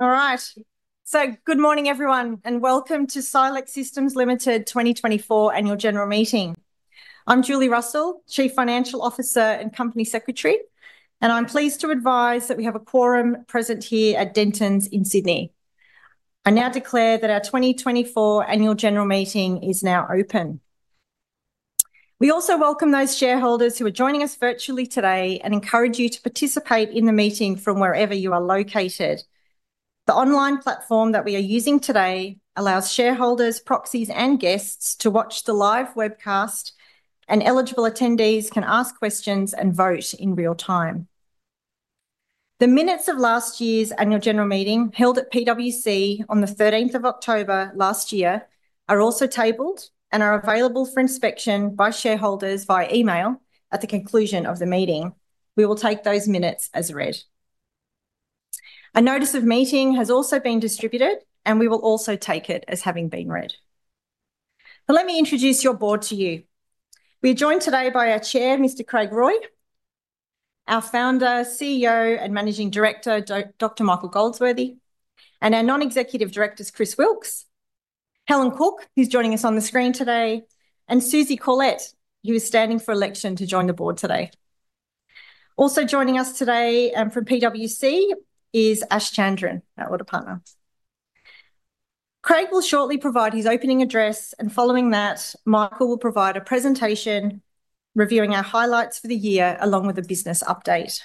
All right, so good morning everyone and welcome to Silex Systems Limited 2024 Annual General Meeting. I'm Julie Ducie, Chief Financial Officer and Company Secretary and I'm pleased to advise that we have a quorum present here at Dentons in Sydney. I now declare that our 2024 Annual General Meeting is now open. We also welcome those shareholders who are joining us virtually today and encourage you to participate in the meeting from wherever you are located. The online platform that we are using today allows shareholders, proxies and guests to watch the live webcast and eligible attendees can ask questions and vote in real time. The minutes of last year's Annual General Meeting held at PwC on 13th October last year are also tabled and are available for inspection by shareholders via email. At the conclusion of the meeting we will take those minutes as read. A notice of meeting has also been distributed and we will also take it as having been read. Let me introduce your board to you. We are joined today by our Chair, Mr. Craig Roy, our founder, CEO and Managing Director, Dr. Michael Goldsworthy and our non-executive Directors, Chris Wilks, Helen Cook who's joining us on the screen today, and Susie Corlett who is standing for election to join the board today. Also joining us today from PwC is Aish Chandran, our audit partner. Craig will shortly provide his opening address and following that Michael will provide a presentation reviewing our highlights for the year along with a business update.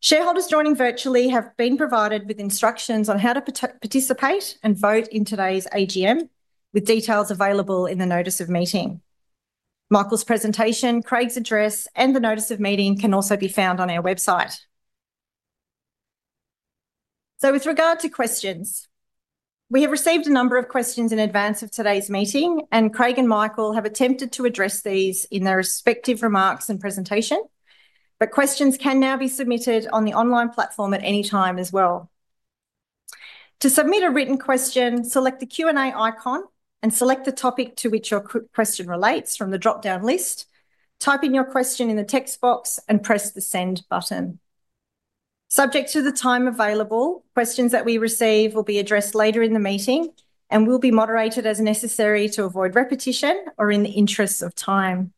Shareholders joining virtually have been provided with instructions on how to participate and vote in today's AGM with details available in the Notice of Meeting. Michael's presentation, Craig's address and the Notice of Meeting can also be found on our website. So with regard to questions, we have received a number of questions in advance of today's meeting and Craig and Michael have attempted to address these in their respective remarks and presentation. But questions can now be submitted on the online platform at any time as well. To submit a written question, select the Q and A icon and select the topic to which your question relates from the drop down list. Type in your question in the text box and press the send button, subject to the time available. Questions that we receive will be addressed later in the meeting and will be moderated as necessary to avoid repetition or in the interest of time.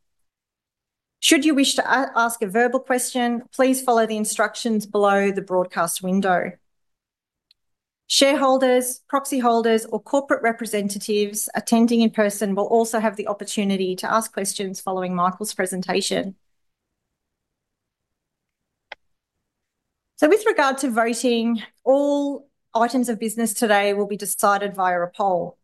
Should you wish to ask a verbal question, please follow the instructions below the broadcast window. Shareholders, proxy holders or corporate representatives attending in person will also have the opportunity to ask questions following Michael's presentation. So with regard to voting, all items of business today will be decided via a poll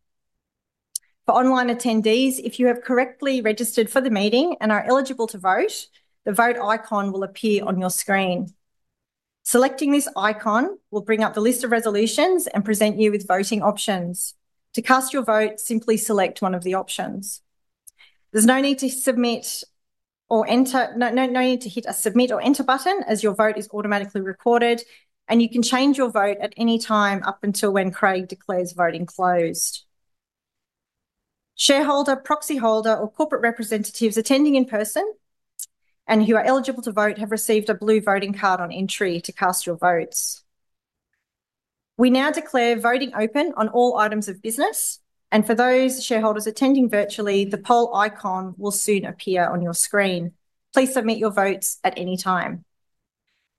for online attendees. If you have correctly registered for the meeting and are eligible to vote, the vote icon will appear on your screen. Selecting this icon will bring up the list of resolutions and present you with voting options. To cast your vote, simply select one of the options. There's no need to submit or enter, no need to hit a submit or enter button as your vote is automatically recorded and you can change your vote at any time up until when Craig declares voting closed. Shareholder, proxy holder or corporate representatives attending in person and who are eligible to vote have received a blue voting card on entry to cast your votes. We now declare voting open on all items of business and for those shareholders attending virtually, the poll icon will soon appear on your screen. Please submit your votes at any time.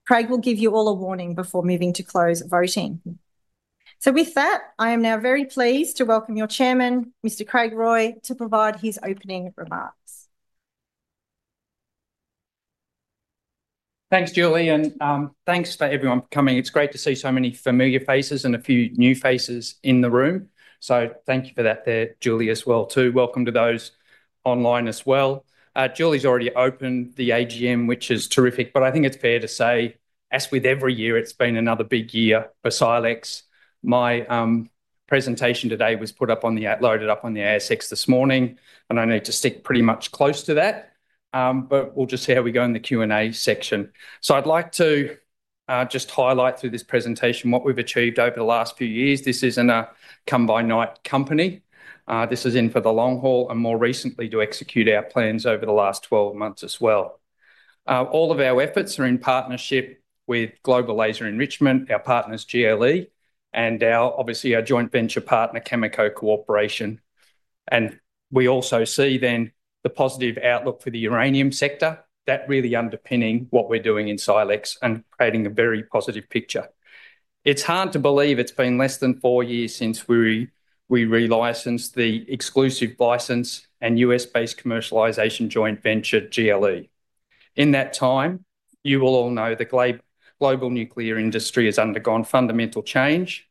Craig will give you all a warning before moving to close voting. So with that I am now very pleased to welcome your chairman, Mr. Craig Roy to provide his opening remarks. Thanks, Julie, and thanks for everyone coming. It's great to see so many familiar faces and a few new faces in the room, so thank you for that, Julie, as well. Welcome to those online as well. Julie's already opened the AGM, which is terrific, but I think it's fair to say, as with every year, it's been another big year for Silex. My presentation today was put up and loaded up on the ASX this morning, and I need to stick pretty much close to that, but we'll just see how we go in the Q and A section. I'd like to just highlight through this presentation what we've achieved over the last few years. This isn't a fly-by-night company. This is in for the long haul, and more recently to execute our plans over the last 12 months as well. All of our efforts are in partnership with Global Laser Enrichment, our partners GLE and obviously our joint venture partner Cameco Corporation. And we also see then the positive outlook for the uranium sector that really underpinning what we're doing in Silex and creating a very positive picture. It's hard to believe it's been less than four years since we relicensed the exclusive license and U.S.-based commercialization joint venture GLE. In that time you will all know the global nuclear industry has undergone fundamental change.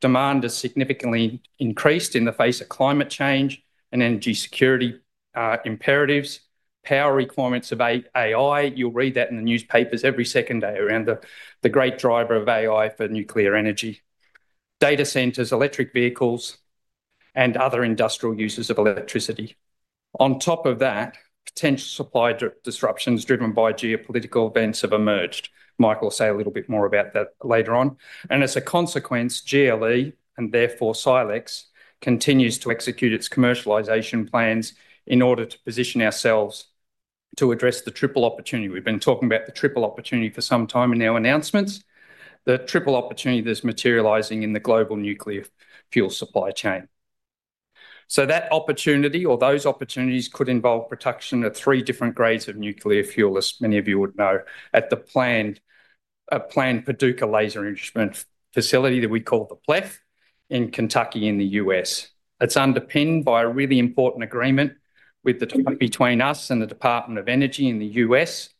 Demand is significantly increased in the face of climate change and energy security imperatives. Power requirements of AI. You'll read that in the newspapers every second day around the great driver of AI for nuclear energy data centers, electric vehicles and other industrial uses of electricity. On top of that potential supply disruptions driven by geopolitical events have emerged. Michael will say a little bit more about that later on, and as a consequence GLE and therefore Silex continues to execute its commercialization plans in order to position ourselves to address the triple opportunity. We've been talking about the triple opportunity for some time in our announcements. The triple opportunity that's materializing in the global nuclear fuel supply chain, so that opportunity or those opportunities could involve production at three different grades of nuclear fuel. As many of you would know, the planned Paducah Laser Enrichment Facility that we call the PLEF in Kentucky in the U.S. is underpinned by a really important agreement between us and the Department of Energy in the U.S.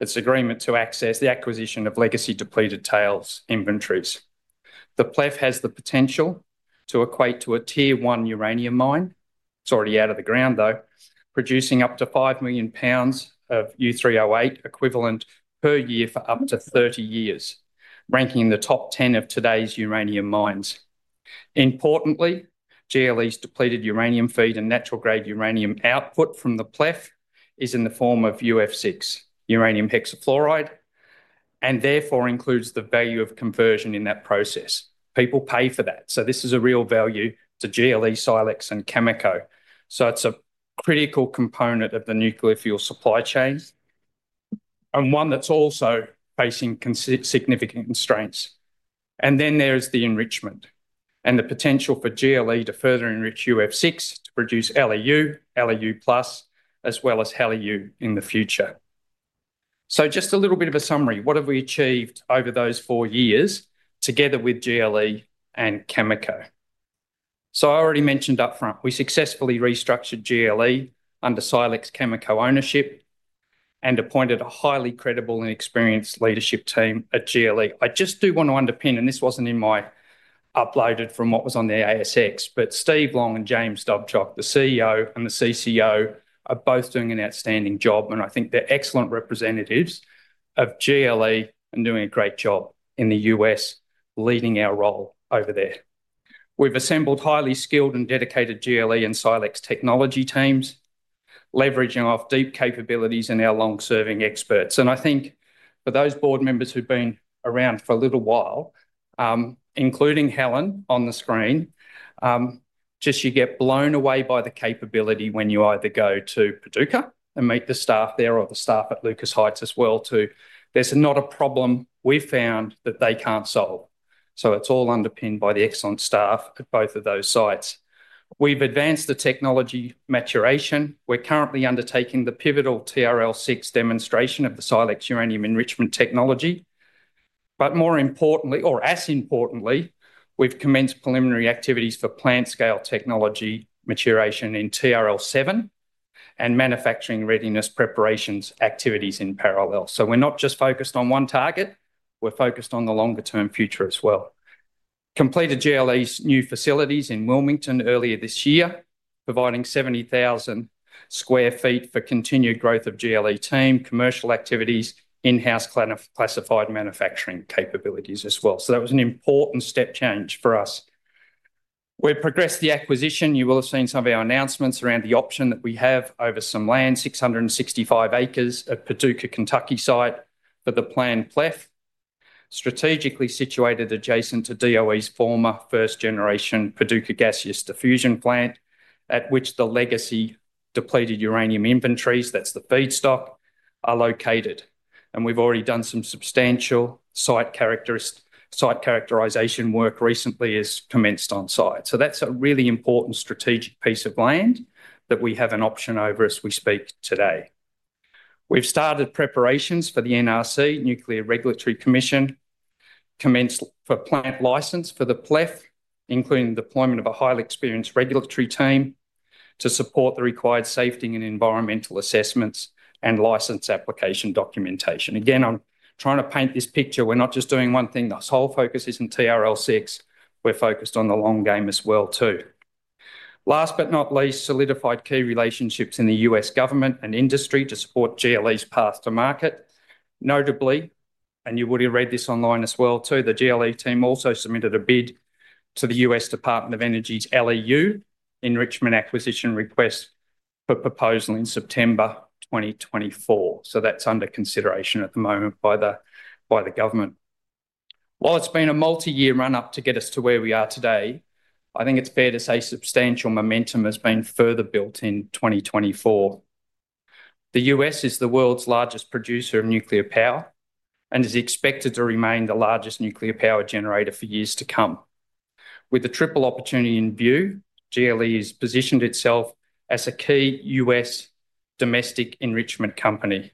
The agreement to access the acquisition of legacy depleted tails inventories. The PLEF has the potential to equate to a Tier one uranium mine. It's already out of the ground though producing up to 5 million pounds of U3O8 equivalent per year for up to 30 years, ranking the top 10 of today's uranium mines. Importantly, GLE's depleted uranium feed and natural grade uranium output from the plant is in the form of UF6 uranium hexafluoride and therefore includes the value of conversion in that process. People pay for that. So this is a real value to GLE, Silex and Cameco. So it's a critical component of the nuclear fuel supply chain and one that's also facing significant constraints. And then there is the enrichment and the potential for GLE to further enrich UF6 to produce LEU, LEU plus as well as HALEU in the future. So just a little bit of a summary. What have we achieved over those four years together with GLE and Cameco? So I already mentioned up front we successfully restructured GLE under Silex Cameco ownership and appointed a highly credible and experienced leadership team at GLE. I just do want to underpin and this wasn't in my uploaded from what was on the ASX but Steve Long and James Dobchuk, the CEO and the CCO are both doing an outstanding job and I think they're excellent representatives of GLE and doing a great job in the U.S. leading our role over there. We've assembled highly skilled and dedicated GLE and Silex technology teams leveraging off deep capabilities in our long serving experts. And I think for those board members who've been around for a little while, including Helen on the screen, just you get blown away by the capability when you either go to Paducah and meet the staff there or the staff at Lucas Heights as well too. There's not a problem we found that they can't solve. So it's all underpinned by the excellent staff at both of those sites. We've advanced the technology maturation. We're currently undertaking the pivotal TRL6 demonstration of the Silex uranium enrichment technology. But more importantly, or as importantly, we've commenced preliminary activities for plant scale technology maturation in TRL7 and manufacturing readiness preparations activities in parallel. So we're not just focused on one target, we're focused on the longer term future as well. Completed GLE's new facilities in Wilmington earlier this year providing 70,000 sq ft for continued growth of GLE team commercial activities in house classified manufacturing capabilities as well. So that was an important step change for us. We progressed the acquisition. You will have seen some of our announcements around the option that we have over some land. 665 acres at Paducah, Kentucky site for the planned plant. Strategically situated adjacent to DOE's former first generation Paducah Gaseous Diffusion Plant at which the legacy depleted uranium inventories, that's the feedstock, are located, and we've already done some substantial site characterization work recently is commenced on site. So that's a really important strategic piece of land that we have an option over as we speak. Today we've started preparations for the NRC, Nuclear Regulatory Commission, commenced for plant license for the PLEF, including the deployment of a highly experienced regulatory team to support the required safety and environmental assessments and license application documentation. Again, I'm trying to paint this picture. We're not just doing one thing. The whole focus is in TRL 6. We're focused on the long game as well too. Last but not least, solidified key relationships in the U.S. government and industry to support GLE's path to market. Notably, you would have read this online as well too. The GLE team also submitted a bid to the U.S. Department of Energy's LEU Enrichment Acquisition Request for Proposal in September 2024. So that's under consideration at the moment by the government. While it's been a multi-year run-up to get us to where we are today, I think it's fair to say substantial momentum has been further built in 2024. The U.S. is the world's largest producer of nuclear power and is expected to remain the largest nuclear power generator for years to come. With the triple opportunity in view, GLE has positioned itself as a key U.S. domestic enrichment company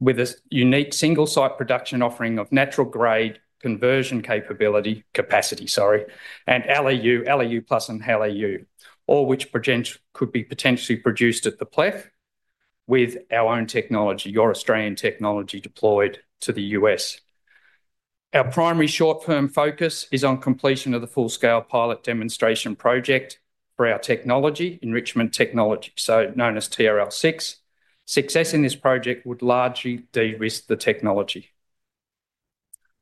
with a unique single-site production offering of natural-grade conversion capability, capacity. Sorry, and LEU-plus and HALEU, all of which could be potentially produced at the plant with our own technology. Our Australian technology deployed to the U.S. Our primary short-term focus is on completion of the full-scale pilot demonstration project for our technology enrichment technology, so known as TRL6. Success in this project would largely de-risk the technology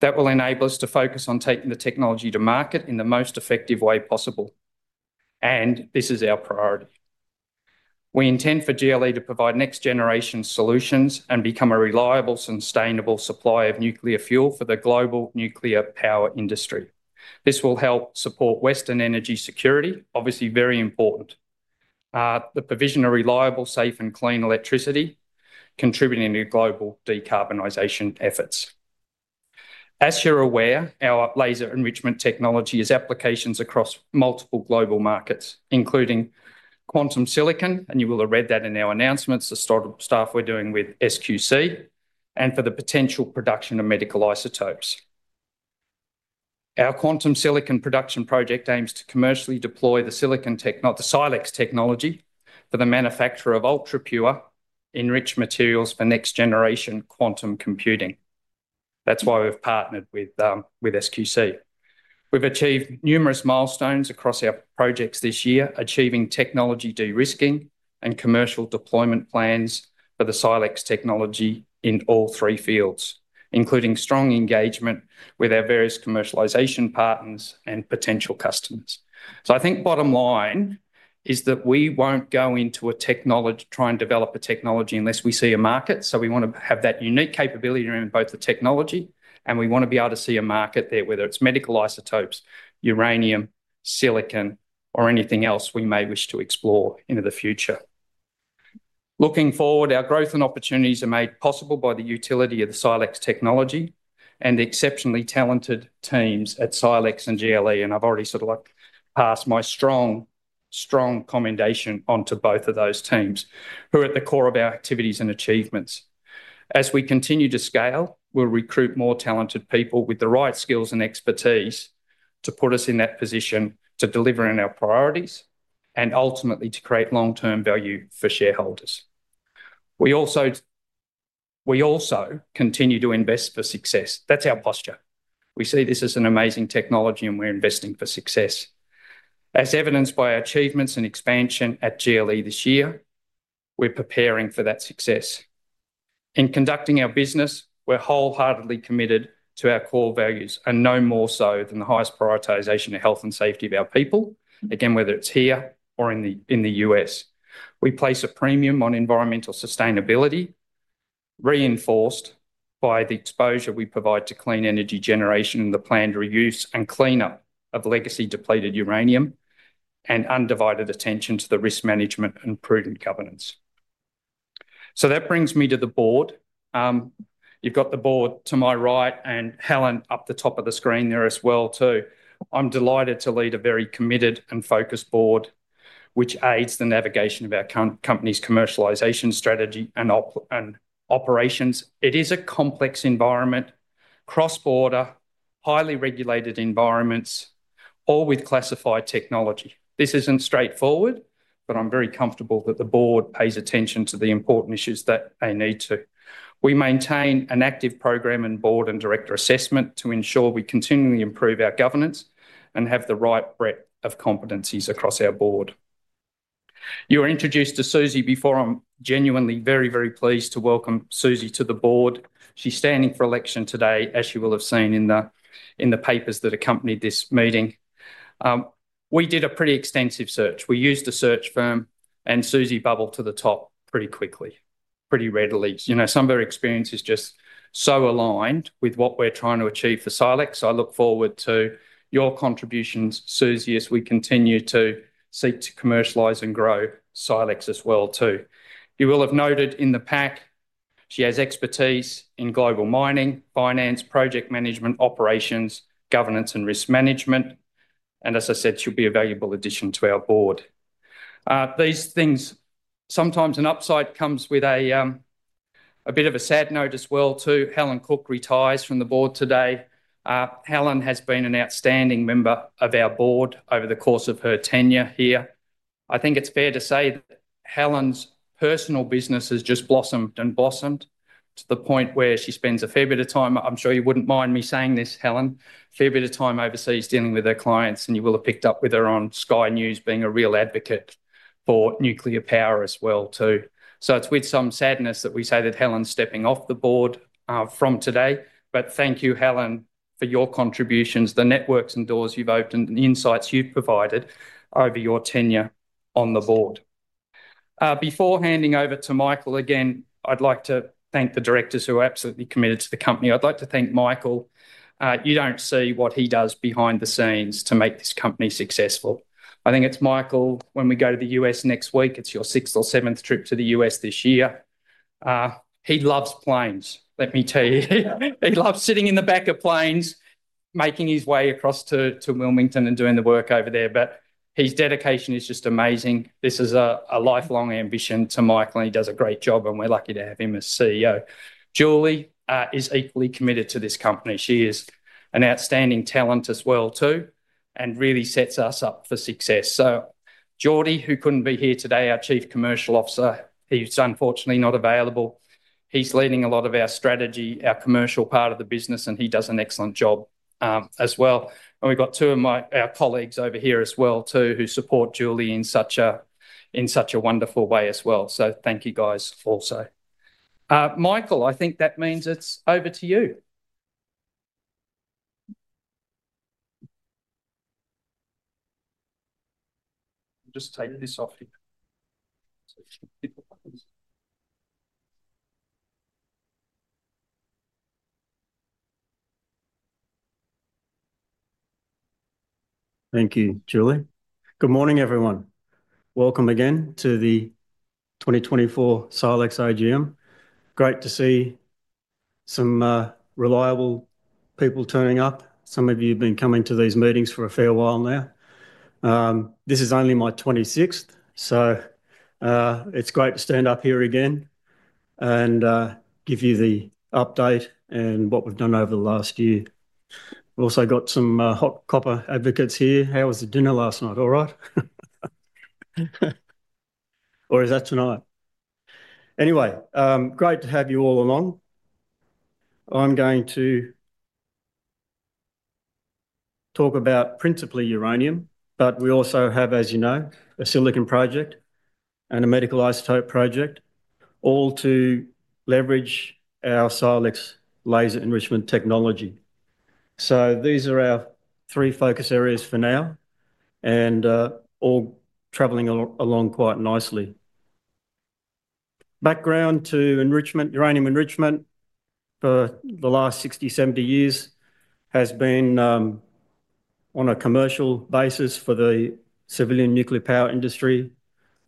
that will enable us to focus on taking the technology to market in the most effective way possible, and this is our priority. We intend for GLE to provide next-generation solutions and become a reliable, sustainable supplier of nuclear fuel for the global nuclear power industry. This will help support Western energy security, obviously. Very important, the provision of reliable, safe and clean electricity contributing to global decarbonization efforts. As you're aware, our laser enrichment technology is applications across multiple global markets including quantum silicon, and you will have read that in our announcements, the stuff we're doing with SQC and for the potential production of medical isotopes. Our quantum silicon production project aims to commercially deploy the silicon Silex technology for the manufacture of ultra-pure enriched materials for next-generation quantum computing. That's why we've partnered with SQC. We've achieved numerous milestones across our projects this year, achieving technology de-risking and commercial deployment plans for the Silex technology in all three fields, including strong engagement with our various commercialization partners and potential customers. So I think bottom line is that we won't go into a technology try and develop a technology unless we see a market. So we want to have that unique capability around both the technology and we want to be able to see a market there, whether it's medical isotopes, uranium, silicon or anything else we may wish to explore into the future. Looking forward, our growth and opportunities are made possible by the utility of the Silex technology and the exceptionally talented teams at Silex and GLE. And I've already sort of like passed my strong, strong commendation onto both of those teams who are at the core of our activities and achievements. As we continue to scale, we'll recruit more talented people with the right skills and expertise to put us in that position to deliver on our priorities and ultimately to create long term value for shareholders. We also continue to invest for success. That's our posture. We see this as an amazing technology and we're investing for success as evidenced by our achievements and expansion at GLE this year, we're preparing for that success in conducting our business. We're wholeheartedly committed to our core values and no more so than the highest prioritization of health and safety of our people. Again, whether it's here or in the U.S. we place a premium on environmental sustainability reinforced by the exposure we provide to clean energy generation, the planned reuse and cleanup of legacy depleted uranium, and undivided attention to the risk management and prudent governance. So that brings me to the board. You've got the board to my right and Helen up the top of the screen there as well too. I'm delighted to lead a very committed and focused board which aids the navigation of our company's commercialization strategy and operations. It is a complex environment, cross border, highly regulated environments, all with classified technology. This isn't straightforward, but I'm very comfortable that the board pays attention to the important issues that they need to. We maintain an active program and board and director assessment to ensure we continually improve our governance and have the right breadth of competencies across our board. You were introduced to Susie before. I'm genuinely very, very pleased to welcome Susie to the board. She's standing for election today. As you will have seen in the papers that accompanied this meeting, we did a pretty extensive search, we used a search firm and Susie bubbled to the top pretty quickly, pretty readily. You know, some of her experience is just so aligned with what we're trying to achieve for Silex. I look forward to your contributions, Susie, as we continue to seek to commercialize and grow Silex as well too. You will have noted in the pack she has expertise in global mining finance, project management, operations, governance and risk management. As I said, she'll be a valuable addition to our board. These things, sometimes an upside comes with a bit of a sad note as well too. Helen Cook retires from the board today. Helen has been an outstanding member of our board over the course of her tenure here. I think it's fair to say that Helen's personal business has just blossomed and blossomed to the point where she spends a fair bit of time, I'm sure you wouldn't mind me saying this, Helen, fair bit of time overseas dealing with her clients. You will have picked up with her on Sky News, being a real advocate for nuclear power as well too. It's with some sadness that we say that Helen's stepping off the board from today. But thank you Helen, for your contributions, the networks and doors you've opened, and the insights you've provided over your tenure on the board. Before handing over to Michael again, I'd like to thank the directors who are absolutely committed to the company. I'd like to thank Michael. You don't see what he does behind the scenes to make this company successful. I think it's Michael, when we go to the U.S. next week, it's your sixth or seventh trip to the U.S. this year. He loves planes, let me tell you. He loves sitting in the back of planes, making his way across to Wilmington and doing the work over there. But his dedication is just amazing. This is a lifelong ambition to Michael and he does a great job and we're lucky to have him as CEO. Julie is equally committed to this company. She is an outstanding talent as well too and really sets us up for success. So Geordie, who couldn't be here today, our Chief Commercial Officer. He's unfortunately not available. He's leading a lot of our strategy, our commercial part of the business, and he does an excellent job as well. And we've got two of my colleagues over here as well too, who support Julie in such a wonderful way as well. So thank you guys. Also, Michael, I think that means it's over to you. Just take this off here. Thank you, Julie. Good morning everyone. Welcome again to the 2024 Silex AGM. Great to see some reliable people turning up. Some of you have been coming to these meetings for a fair while now. This is only my 26th, so it's great to stand up here again and give you the update and what we've done over the last year. Also got some HotCopper advocates here. How was the dinner last night? All right, or is that tonight? Anyway, great to have you all here. I'm going to talk about principally uranium, but we also have, as you know, a silicon project and a medical isotope project, all to leverage our Silex laser enrichment technology. So these are our three focus areas for now and all traveling along quite nicely. Background to Enrichment. Uranium enrichment for the last 60-70 years has been on a commercial basis for the civilian nuclear power industry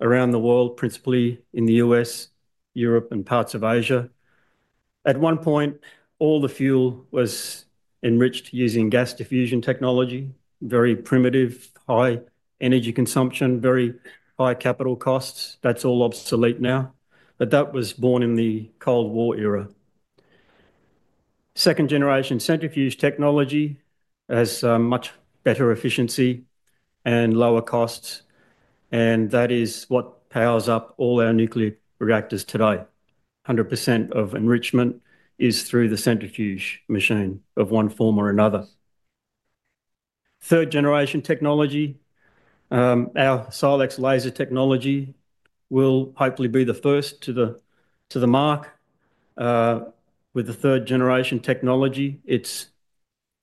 around the world, principally in the US, Europe, and parts of Asia. At one point, all the fuel was enriched using gas diffusion technology. Very primitive, high energy consumption, very high capital costs. That's all obsolete now, but that was born in the Cold War era. Second-generation centrifuge technology has much better efficiency and lower costs, and that is what powers up all our nuclear reactors today. 100% of enrichment is through the centrifuge machine of one form or another. Third-generation technology. Our Silex laser technology will hopefully be the first to the mark with the third-generation technology. It's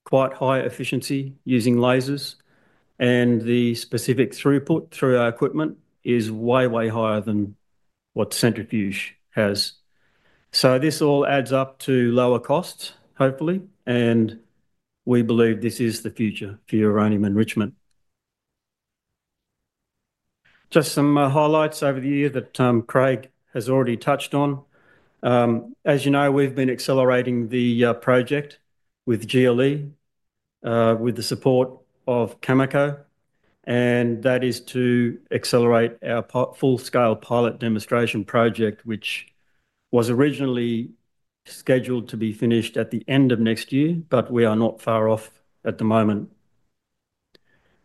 quite high efficiency using lasers, and the specific throughput through our equipment is way, way higher than what centrifuge has. So this all adds up to lower costs, hopefully. And we believe this is the future for uranium enrichment. Just some highlights over the year that Craig has already touched on. As you know, we've been accelerating the project with GLE with the support of Cameco and that is to accelerate our full scale pilot demonstration project which was originally scheduled to be finished at the end of next year. But we are not far off at the moment.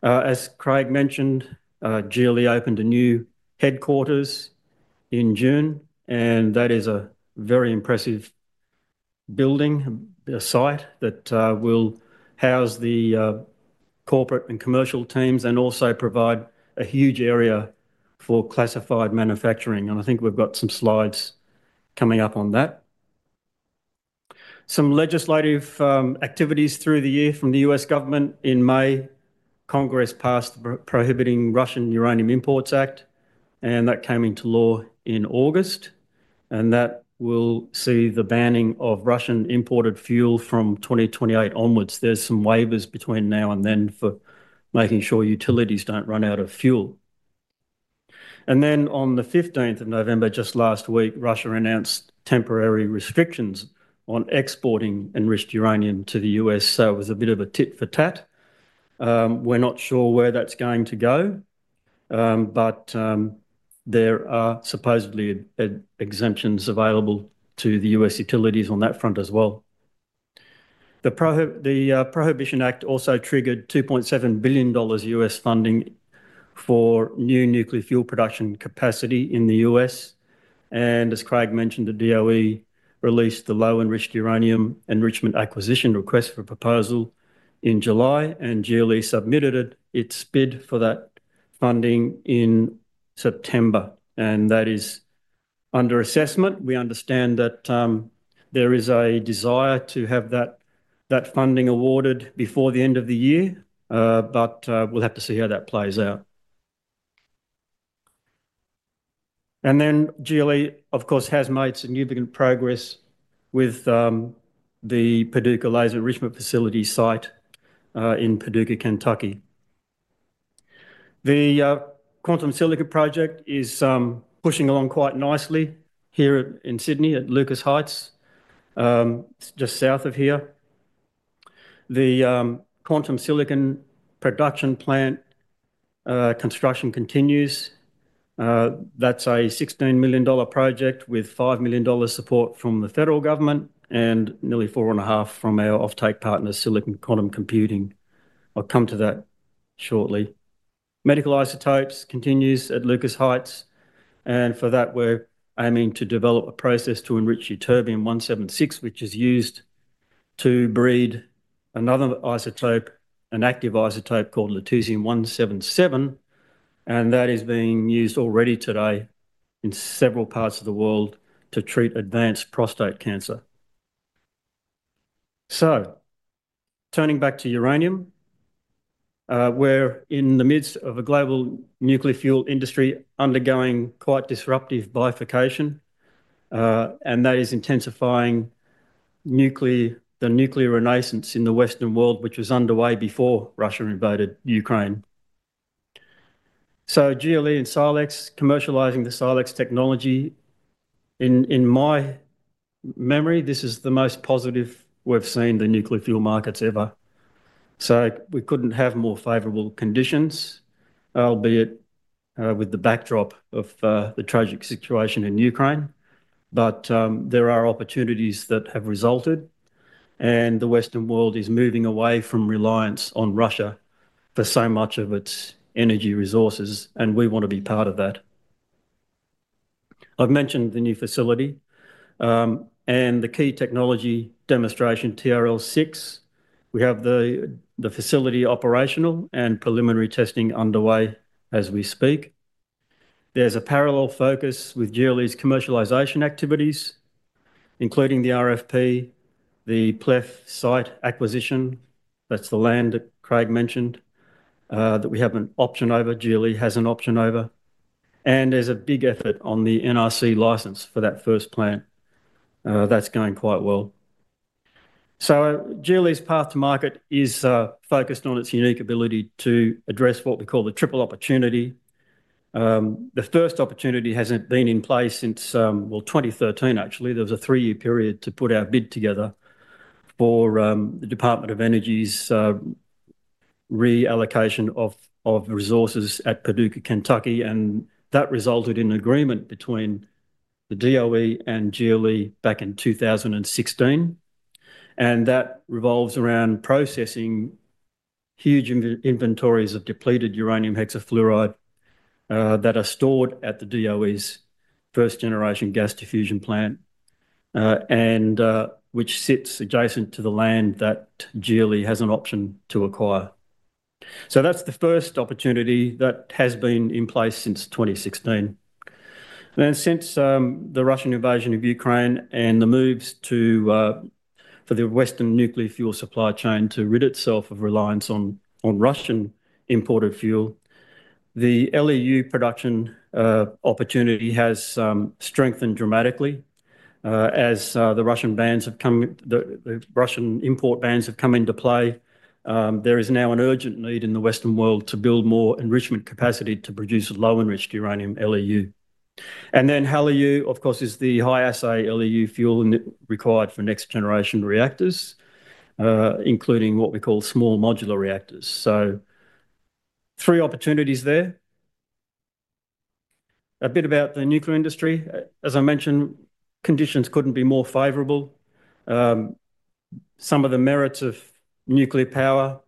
As Craig mentioned, GLE opened a new headquarters in June and that is a very impressive building site that will house the corporate and commercial teams and also provide a huge area for classified manufacturing. And I think we've got some slides coming up on that. Some legislative activities through the year from the U.S. Government. In May, Congress passed the Prohibiting Russian Uranium Imports Act, and that came into law in August. And that will see the banning of Russian imported fuel from 2028 onwards. There's some waivers between now and then for making sure utilities don't run out of fuel. And then on the 15th of November, just last week, Russia announced temporary restrictions on exporting enriched uranium to the U.S. So it was a bit of a tit for tat. We're not sure where that's going to go, but there are supposedly exemptions available to the U.S. utilities on that front as well. The Prohibition Act also triggered $2.7 billion U.S. funding for new nuclear fuel production capacity in the U.S., and as Craig mentioned, the DOE released the low enriched uranium enrichment acquisition Request for Proposal in July, and GLE submitted its bid for that funding in September. And that is under assessment. We understand that there is a desire to have that, that funding awarded before the end of the year, but we'll have to see how that plays out, and then GLE, of course, has made significant progress with the Paducah Laser Enrichment Facility site in Paducah, Kentucky. The quantum silicon project is pushing along quite nicely here in Sydney. At Lucas Heights, just south of here, the quantum silicon production plant. Construction continues. That's a $16 million project with $5 million support from the federal government and nearly four and a half from our offtake partner, Silicon Quantum Computing. I'll come to that shortly. Medical isotopes continues at Lucas Heights, and for that we're aiming to develop a process to enrich ytterbium-176, which is used to breed another isotope, an active isotope called lutetium-177. That is being used already today in several parts of the world to treat advanced prostate cancer. Turning back to uranium, we're in the midst of a global nuclear fuel industry undergoing quite disruptive bifurcation and that is intensifying the nuclear renaissance in the Western world which was underway before Russia invaded Ukraine. GLE and Silex commercializing the Silex technology. In my memory this is the most positive we've seen the nuclear fuel markets ever. We couldn't have more favorable conditions, albeit with the backdrop of the tragic situation in Ukraine. There are opportunities that have resulted and the Western world is moving away from reliance on Russia for so much of its energy resources and we want to be part of that. I've mentioned the new facility and the key Technology Demonstration TRL6. We have the facility operational and preliminary testing underway as we speak. There's a parallel focus with GLE's commercialization activities, including the RFP, the PLEF Site acquisition. That's the land that Craig mentioned that we have an option over. GLE has an option over, and there's a big effort on the NRC license for that first plant that's going quite well, so GLE's path to market is focused on its unique ability to address what we call the triple opportunity. The first opportunity hasn't been in place since, well, 2013 actually. There was a three year period to put our bid together for the Department of Energy's reallocation of resources at Paducah, Kentucky, and that resulted in an agreement between the DOE and GLE back in 2016. That revolves around processing huge inventories of depleted uranium hexafluoride that are stored at the DOE's first-generation gas diffusion plant and which sits adjacent to the land that GLE has an option to acquire, so that's the first opportunity that has been in place since 2016. Then, since the Russian invasion of Ukraine and the moves for the Western nuclear fuel supply chain to rid itself of reliance on Russian imported fuel, the LEU production opportunity has strengthened dramatically as the Russian bans have come, the Russian import bans have come into play. There is now an urgent need in the Western world to build more enrichment capacity to produce low-enriched uranium, LEU. HALEU, of course, is the high assay LEU fuel required for next-generation reactors, including what we call small modular reactors, so three opportunities there, a bit about the nuclear industry. As I mentioned, conditions couldn't be more favorable. Some of the merits of nuclear power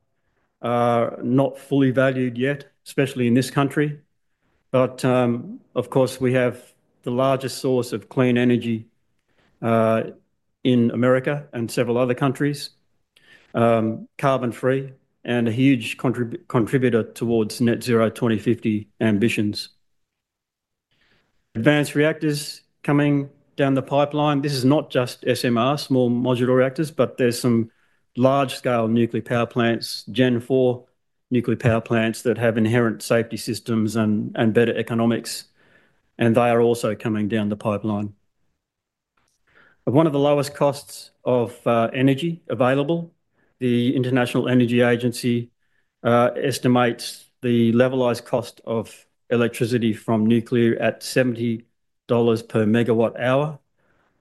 are not fully valued yet, especially in this country. But of course we have the largest source of clean energy in America and several other countries. Carbon-free and a huge contributor towards net zero 2050 ambitions, advanced reactors coming down the pipeline. This is not just SMR, small modular reactors, but there's some large-scale nuclear power plants, Gen-4 nuclear power plants that have inherent safety systems and better economics. And they are also coming down the pipeline. One of the lowest costs of energy available, the International Energy Agency estimates the levelized cost of electricity from nuclear at $70 per megawatt hour.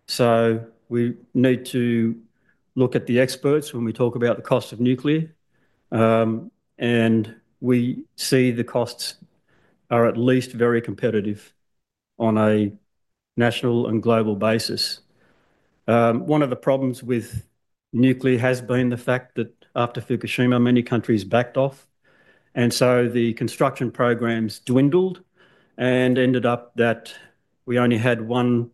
So we need to look at the experts when we talk about the cost of nuclear and we see the costs are at least very competitive on a national and global basis. One of the problems with nuclear has been the fact that after Fukushima, many countries backed off and so the construction programs dwindled and ended up that we only had one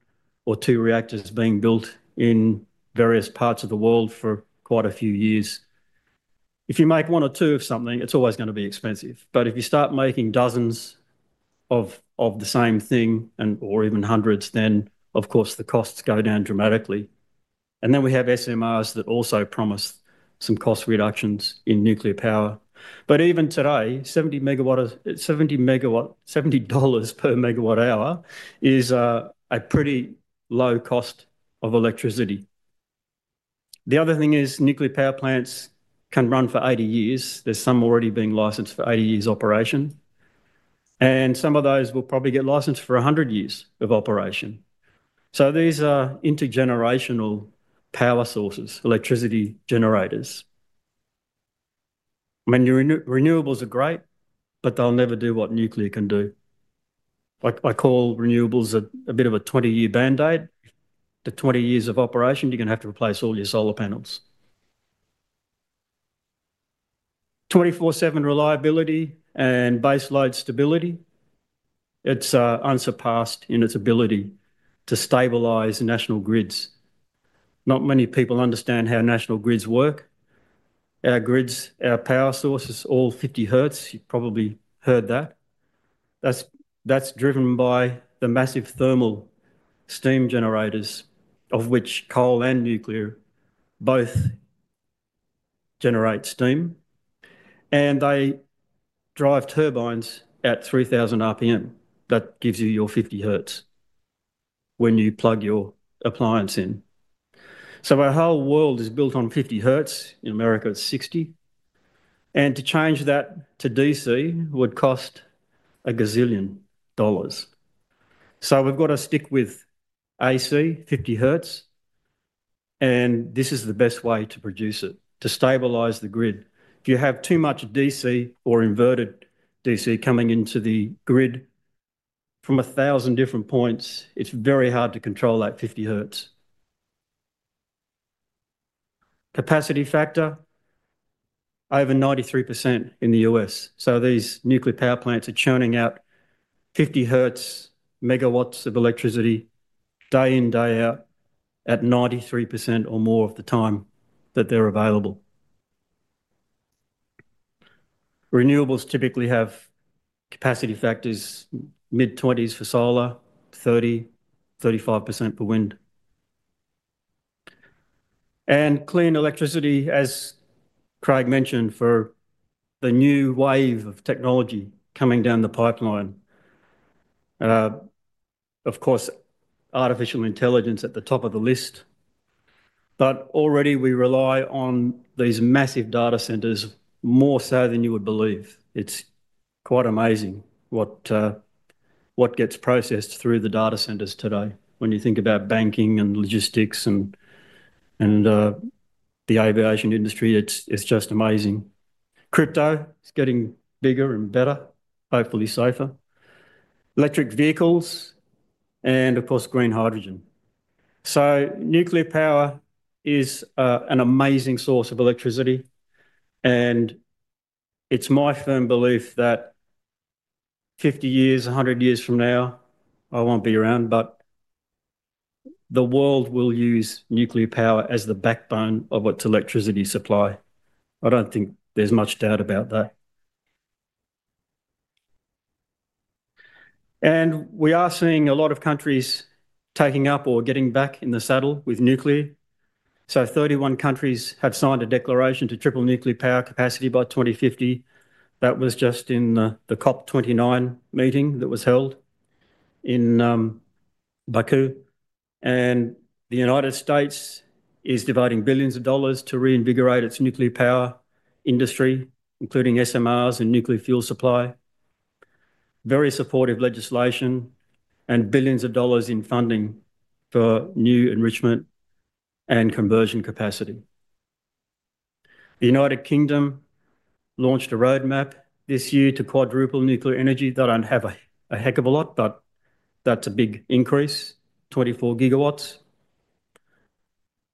or two reactors being built in various parts of the world for quite a few years. If you make one or two of something, it's always going to be expensive. But if you start making dozens of the same thing, or even hundreds, then of course the costs go down dramatically. And then we have SMRs that also promise some cost reductions in nuclear power. But even today, $70 per megawatt hour is a pretty low cost of electricity. The other thing is nuclear power plants can run for 80 years. There's some already being licensed for 80 years operation, and some of those will probably get licensed for 100 years of operation. So these are intergenerational power sources. Electricity generators. Renewables are great, but they'll never do what nuclear can do. I call renewables a bit of a 20-year band aid. The 20 years of operation, you're going to have to replace all your solar panels. 24/7 reliability and baseload stability. It's unsurpassed in its ability to stabilize national grids. Not many people understand how national grids work. Our grids, our power source is all 50 Hz. You probably heard that. That's driven by the massive thermal steam generators, of which coal and nuclear both generate steam. And they drive turbines at 3000 RPM. That gives you your 50 Hz when you plug your appliance in. Our whole world is built on 50 hertz. In America it's 60, and to change that to DC would cost a gazillion dollars. We've got to stick with AC 50 hertz, and this is the best way to produce it to stabilize the grid. If you have too much DC or inverted DC coming into the grid from a thousand different points, it's very hard to control that 50 hertz capacity factor. Over 93% in the U.S., so these nuclear power plants are churning out 50 hertz megawatts of electricity day in, day out at 93% or more of the time that they're available. Renewables typically have capacity factors mid-20s for solar, 30%-35% for wind and clean electricity, as Craig mentioned, for the new wave of technology coming down the pipeline, of course, artificial intelligence at the top of the list. But already we rely on these massive data centers, more so than you would believe. It's quite amazing what gets processed through the data centers today. When you think about banking and logistics and the aviation industry, it's just amazing. Crypto is getting bigger and better, hopefully safer electric vehicles and of course, green hydrogen. So nuclear power is an amazing source of electricity. And it's my firm belief that 50 years, 100 years from now, I won't be around, but the world will use nuclear power as the backbone of its electricity supply. I don't think there's much doubt about that. And we are seeing a lot of countries taking up or getting back in the saddle with nuclear. So 31 countries have signed a declaration to triple nuclear power capacity by 2050. That was just in the COP 29 meeting that was held in Baku. And the United States is devoting billions of dollars to reinvigorate its nuclear power industry, including SMRs and nuclear fuel supply. Very supportive legislation, and billions of dollars in funding for new enrichment and conversion capacity. The United Kingdom launched a roadmap this year to quadruple nuclear energy. They don't have a heck of a lot, but that's a big increase. 24 gigawatts.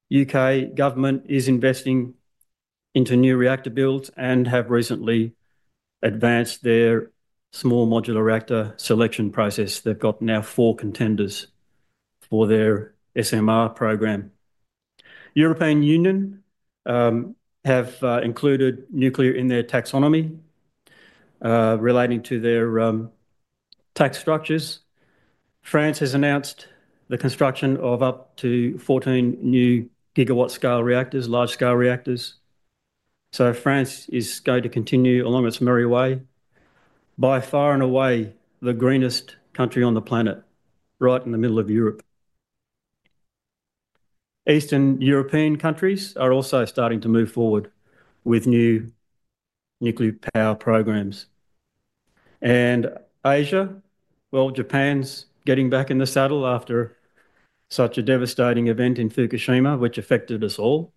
U.K. government is investing into new reactor builds and have recently advanced their small modular reactor selection process. They've got now four contenders for their SMR program. European Union have included nuclear in their taxonomy relating to their tax structures. France has announced the construction of up to 14 new gigawatt-scale reactors, large-scale reactors. So France is going to continue along its merry way. By far and away the greenest country on the planet. Right in the middle of Europe. Eastern European countries are also starting to move forward with new nuclear power programs, and Asia, well, Japan's getting back in the saddle after such a devastating event in Fukushima, which affected us all.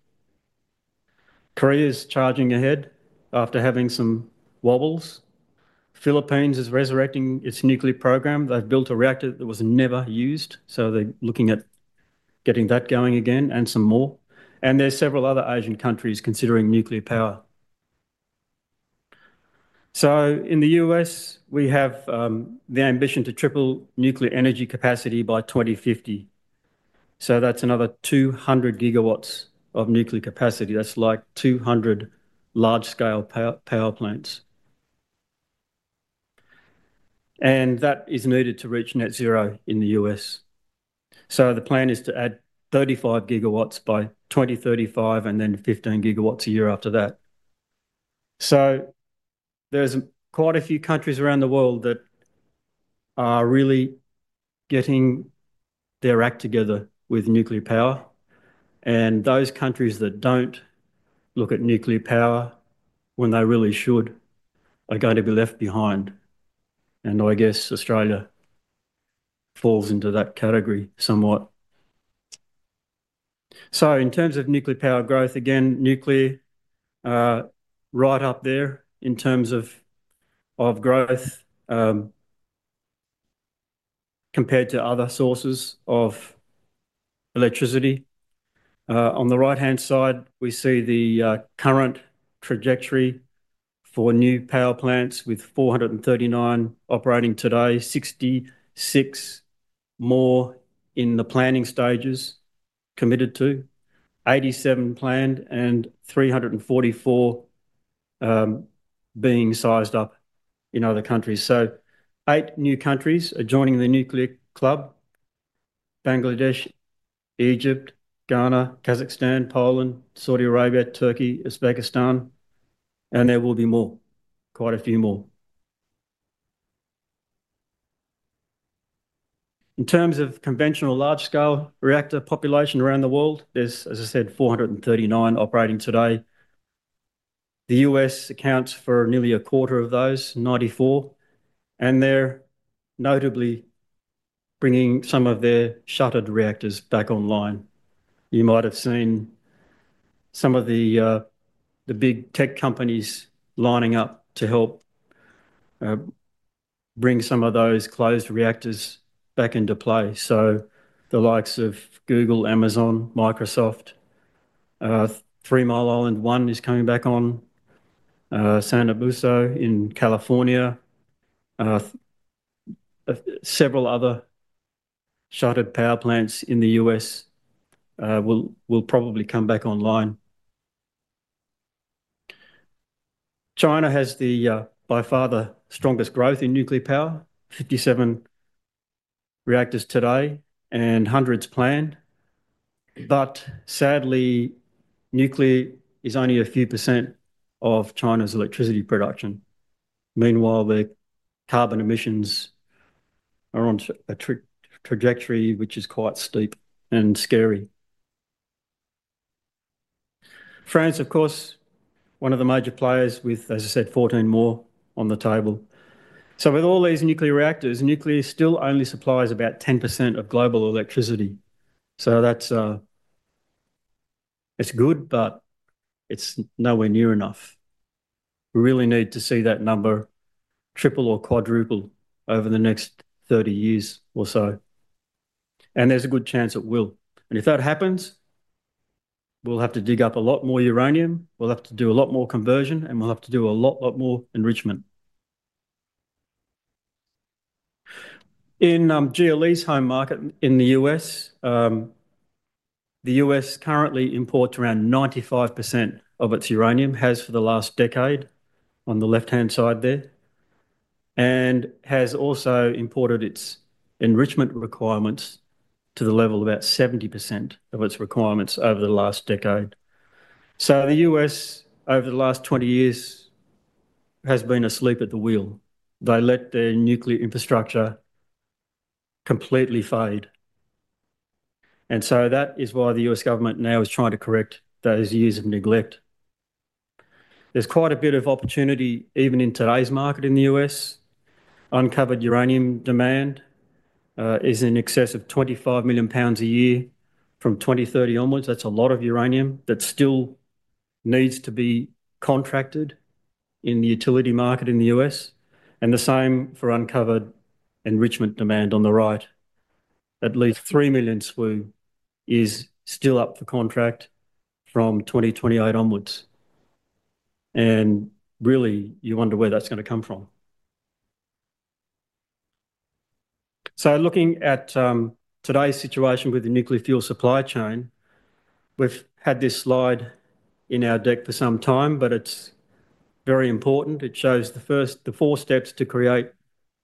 Korea is charging ahead after having some wobbles. Philippines is resurrecting its nuclear program. They've built a reactor that was never used, so they're looking at getting that going again and some more, and there's several other Asian countries considering nuclear power, so in the U.S. we have the ambition to triple nuclear energy capacity by 2050, so that's another 200 gigawatts of nuclear capacity. That's like 200 large-scale power plants and that is needed to reach net-zero in the U.S., so the plan is to add 35 gigawatts by 2035 and then 15 gigawatts a year after that. So there's quite a few countries around the world that are really getting their act together with nuclear power and those countries that don't look at nuclear power when they really should are going to be left behind. And I guess Australia falls into that category somewhat. So in terms of nuclear power growth, again nuclear right up there in terms of growth compared to other sources of electricity. On the right-hand side we see the current trajectory for new power plants with 439 operating today, 66 more in the planning stages committed to 87 planned and 344 being sized up in other countries. So eight new countries are joining the nuclear club, Bangladesh, Egypt, Ghana, Kazakhstan, Poland, Saudi Arabia, Turkey, Uzbekistan, and there will be more, quite a few more. In terms of conventional large-scale reactor population around the world, there's, as I said, 439 operating today. The U.S. accounts for nearly a quarter of those 94 and they're notably bringing some of their shuttered reactors back online. You might have seen some of the big tech companies lining up to help bring some of those closed reactors back into play. So the likes of Google, Amazon, Microsoft. Three Mile Island One is coming back online. San Luis Obispo in California. Several other shuttered power plants in the U.S. will probably come back online. China has by far the strongest growth in nuclear power. 57 reactors today and hundreds planned. But sadly nuclear is only a few % of China's electricity production. Meanwhile, the carbon emissions are on a trajectory which is quite steep and scary. France, of course, one of the major players with, as I said, 14 more on the table. So with all these nuclear reactors, nuclear still only supplies about 10% of global electricity. So that's, it's good but it's nowhere near enough. We really need to see that number triple or quadruple over the next 30 years or so and there's a good chance it will. And if that happens, we'll have to dig up a lot more uranium, we'll have to do a lot more conversion and we'll have to do a lot lot more enrichment in GLE's home market in the U.S. The U.S. currently imports around 95% of its uranium, has for the last decade on the left hand side there, and has also imported its enrichment requirements to the level about 70% of its requirements over the last decade. So the U.S. over the last 20 years has been asleep at the wheel. They let their nuclear infrastructure completely fade. And so that is why the U.S. government now is trying to correct those years of neglect. There's quite a bit of opportunity even in today's market. In the U.S., uncovered uranium demand is in excess of 25 million pounds a year from 2030 onwards. That's a lot of uranium that still needs to be contracted in the utility market in the U.S. and the same for uncovered enrichment demand on the right. At least 3 million SWU is still up for contract from 2028 onwards. And really you wonder where that's going to come from. So looking at today's situation with the nuclear fuel supply chain, we've had this slide in our deck for some time, but it's very important. It shows the first, the four steps to create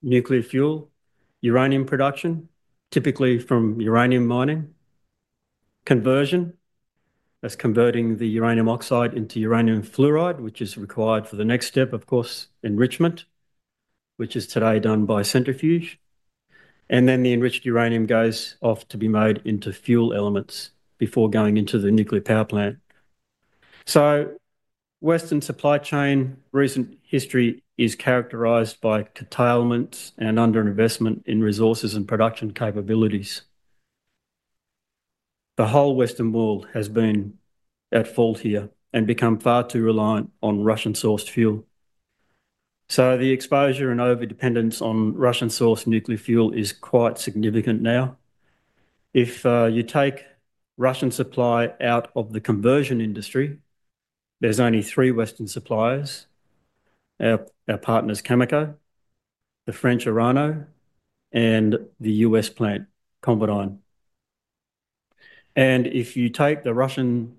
nuclear fuel. Uranium production, typically from uranium mining, conversion, that's converting the uranium oxide into uranium fluoride, which is required for the next step, of course enrichment which is today done by centrifuge and then the enriched uranium goes off to be made into fuel elements before going into the nuclear power plant. So Western supply chain recent history is characterized by curtailments and underinvestment in resources and production capabilities. The whole Western world has been at fault here and become far too reliant on Russian sourced fuel. So the exposure and over dependence on Russian sourced nuclear fuel is quite significant. Now if you take Russian supply out of the conversion industry, there's only three Western suppliers. Our partners, Cameco, the French, Orano and the US plant ConverDyn. And if you take the Russian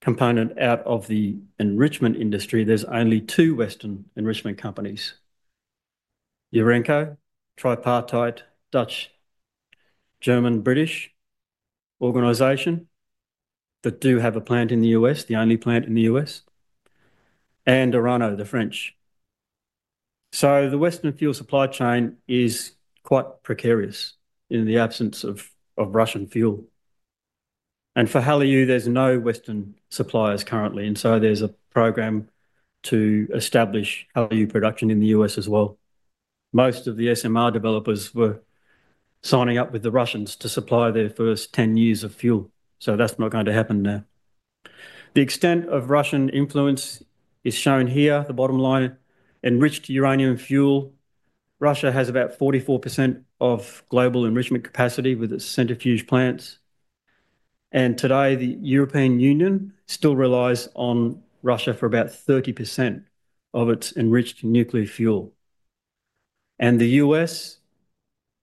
component out of the enrichment industry, there's only two Western enrichment companies, Urenco, tripartite Dutch, German, British organization that do have a plant in the US, the only plant in the US, and Orano, the French. So the Western fuel supply chain is quite precarious in the absence of Russian fuel. And for HALEU there's no Western suppliers currently and so there's a program to establish HALEU production in the US as well. Most of the SMR developers were signing up with the Russians to supply their first 10 years of fuel. So that's not going to happen now. The extent of Russian influence is shown here. The bottom line, enriched uranium fuel. Russia has about 44% of global enrichment capacity with its centrifuge plants. Today the European Union still relies on Russia for about 30% of its enriched nuclear fuel and the U.S.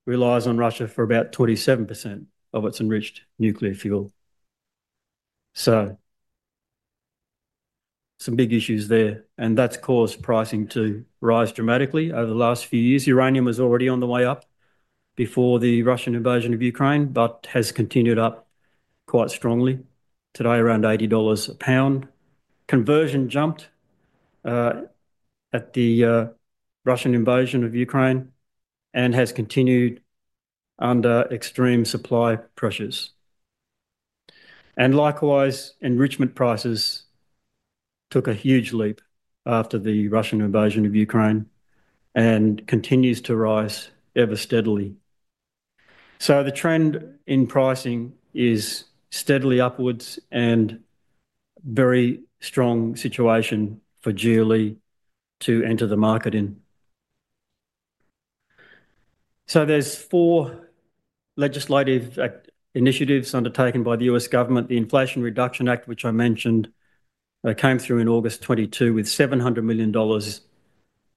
relies on Russia for about 27% of its enriched nuclear fuel. Some big issues there and that's caused pricing to rise dramatically over the last few years. Uranium was already on the way up before the Russian invasion of Ukraine, but has continued up quite strongly today. Around $80 a pound conversion jumped at the Russian invasion of Ukraine and has continued under extreme supply pressures. Likewise enrichment prices took a huge leap after the Russian invasion of Ukraine and continues to rise ever steadily. The trend in pricing is steadily upwards and very strong situation for GLE to enter the market in. There's four legislative initiatives undertaken by the U.S. Government. The Inflation Reduction Act, which I mentioned, came through in August 22nd with $700 million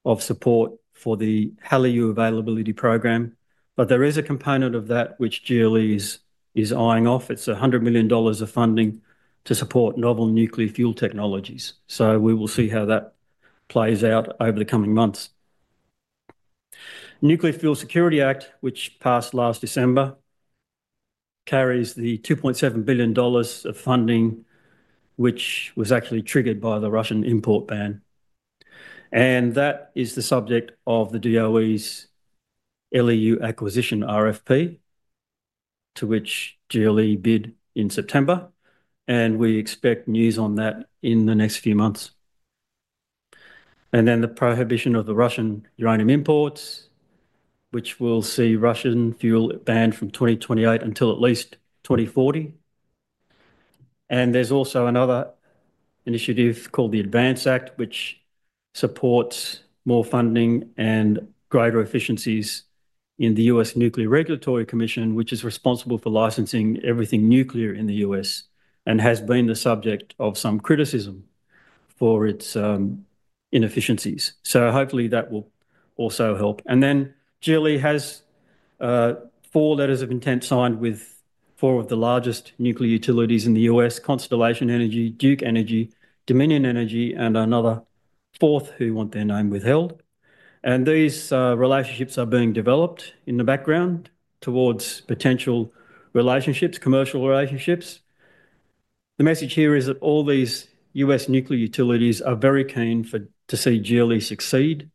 of support for the HALEU Availability Program. But there is a component of that which GLE is eyeing off. It's $100 million of funding to support novel nuclear fuel technologies. So we will see how that plays out over the coming months. Nuclear Fuel Security Act, which passed last December, carries the $2.7 billion of funding which was actually triggered by the Russian import ban. And that is the subject of the DOE's LEU acquisition RFP to which GLE bid in September. And we expect news on that in the next few months. And then the prohibition of the Russian uranium imports, which will see Russian fuel banned from 2028 until at least 2040. And there's also another initiative called the ADVANCE Act which supports more funding and greater efficiencies in the U.S. Nuclear Regulatory Commission, which is responsible for licensing everything nuclear in the U.S. and has been the subject of some criticism for its inefficiencies, so hopefully that will also help, and then GLE has four letters of intent signed with four of the largest nuclear utilities in the U.S., Constellation Energy, Duke Energy, Dominion Energy, and another fourth who want their name withheld, and these relationships are being developed in the background towards potential relationships, commercial relationships. The message here is that all these U.S. nuclear utilities are very keen to see GLE succeed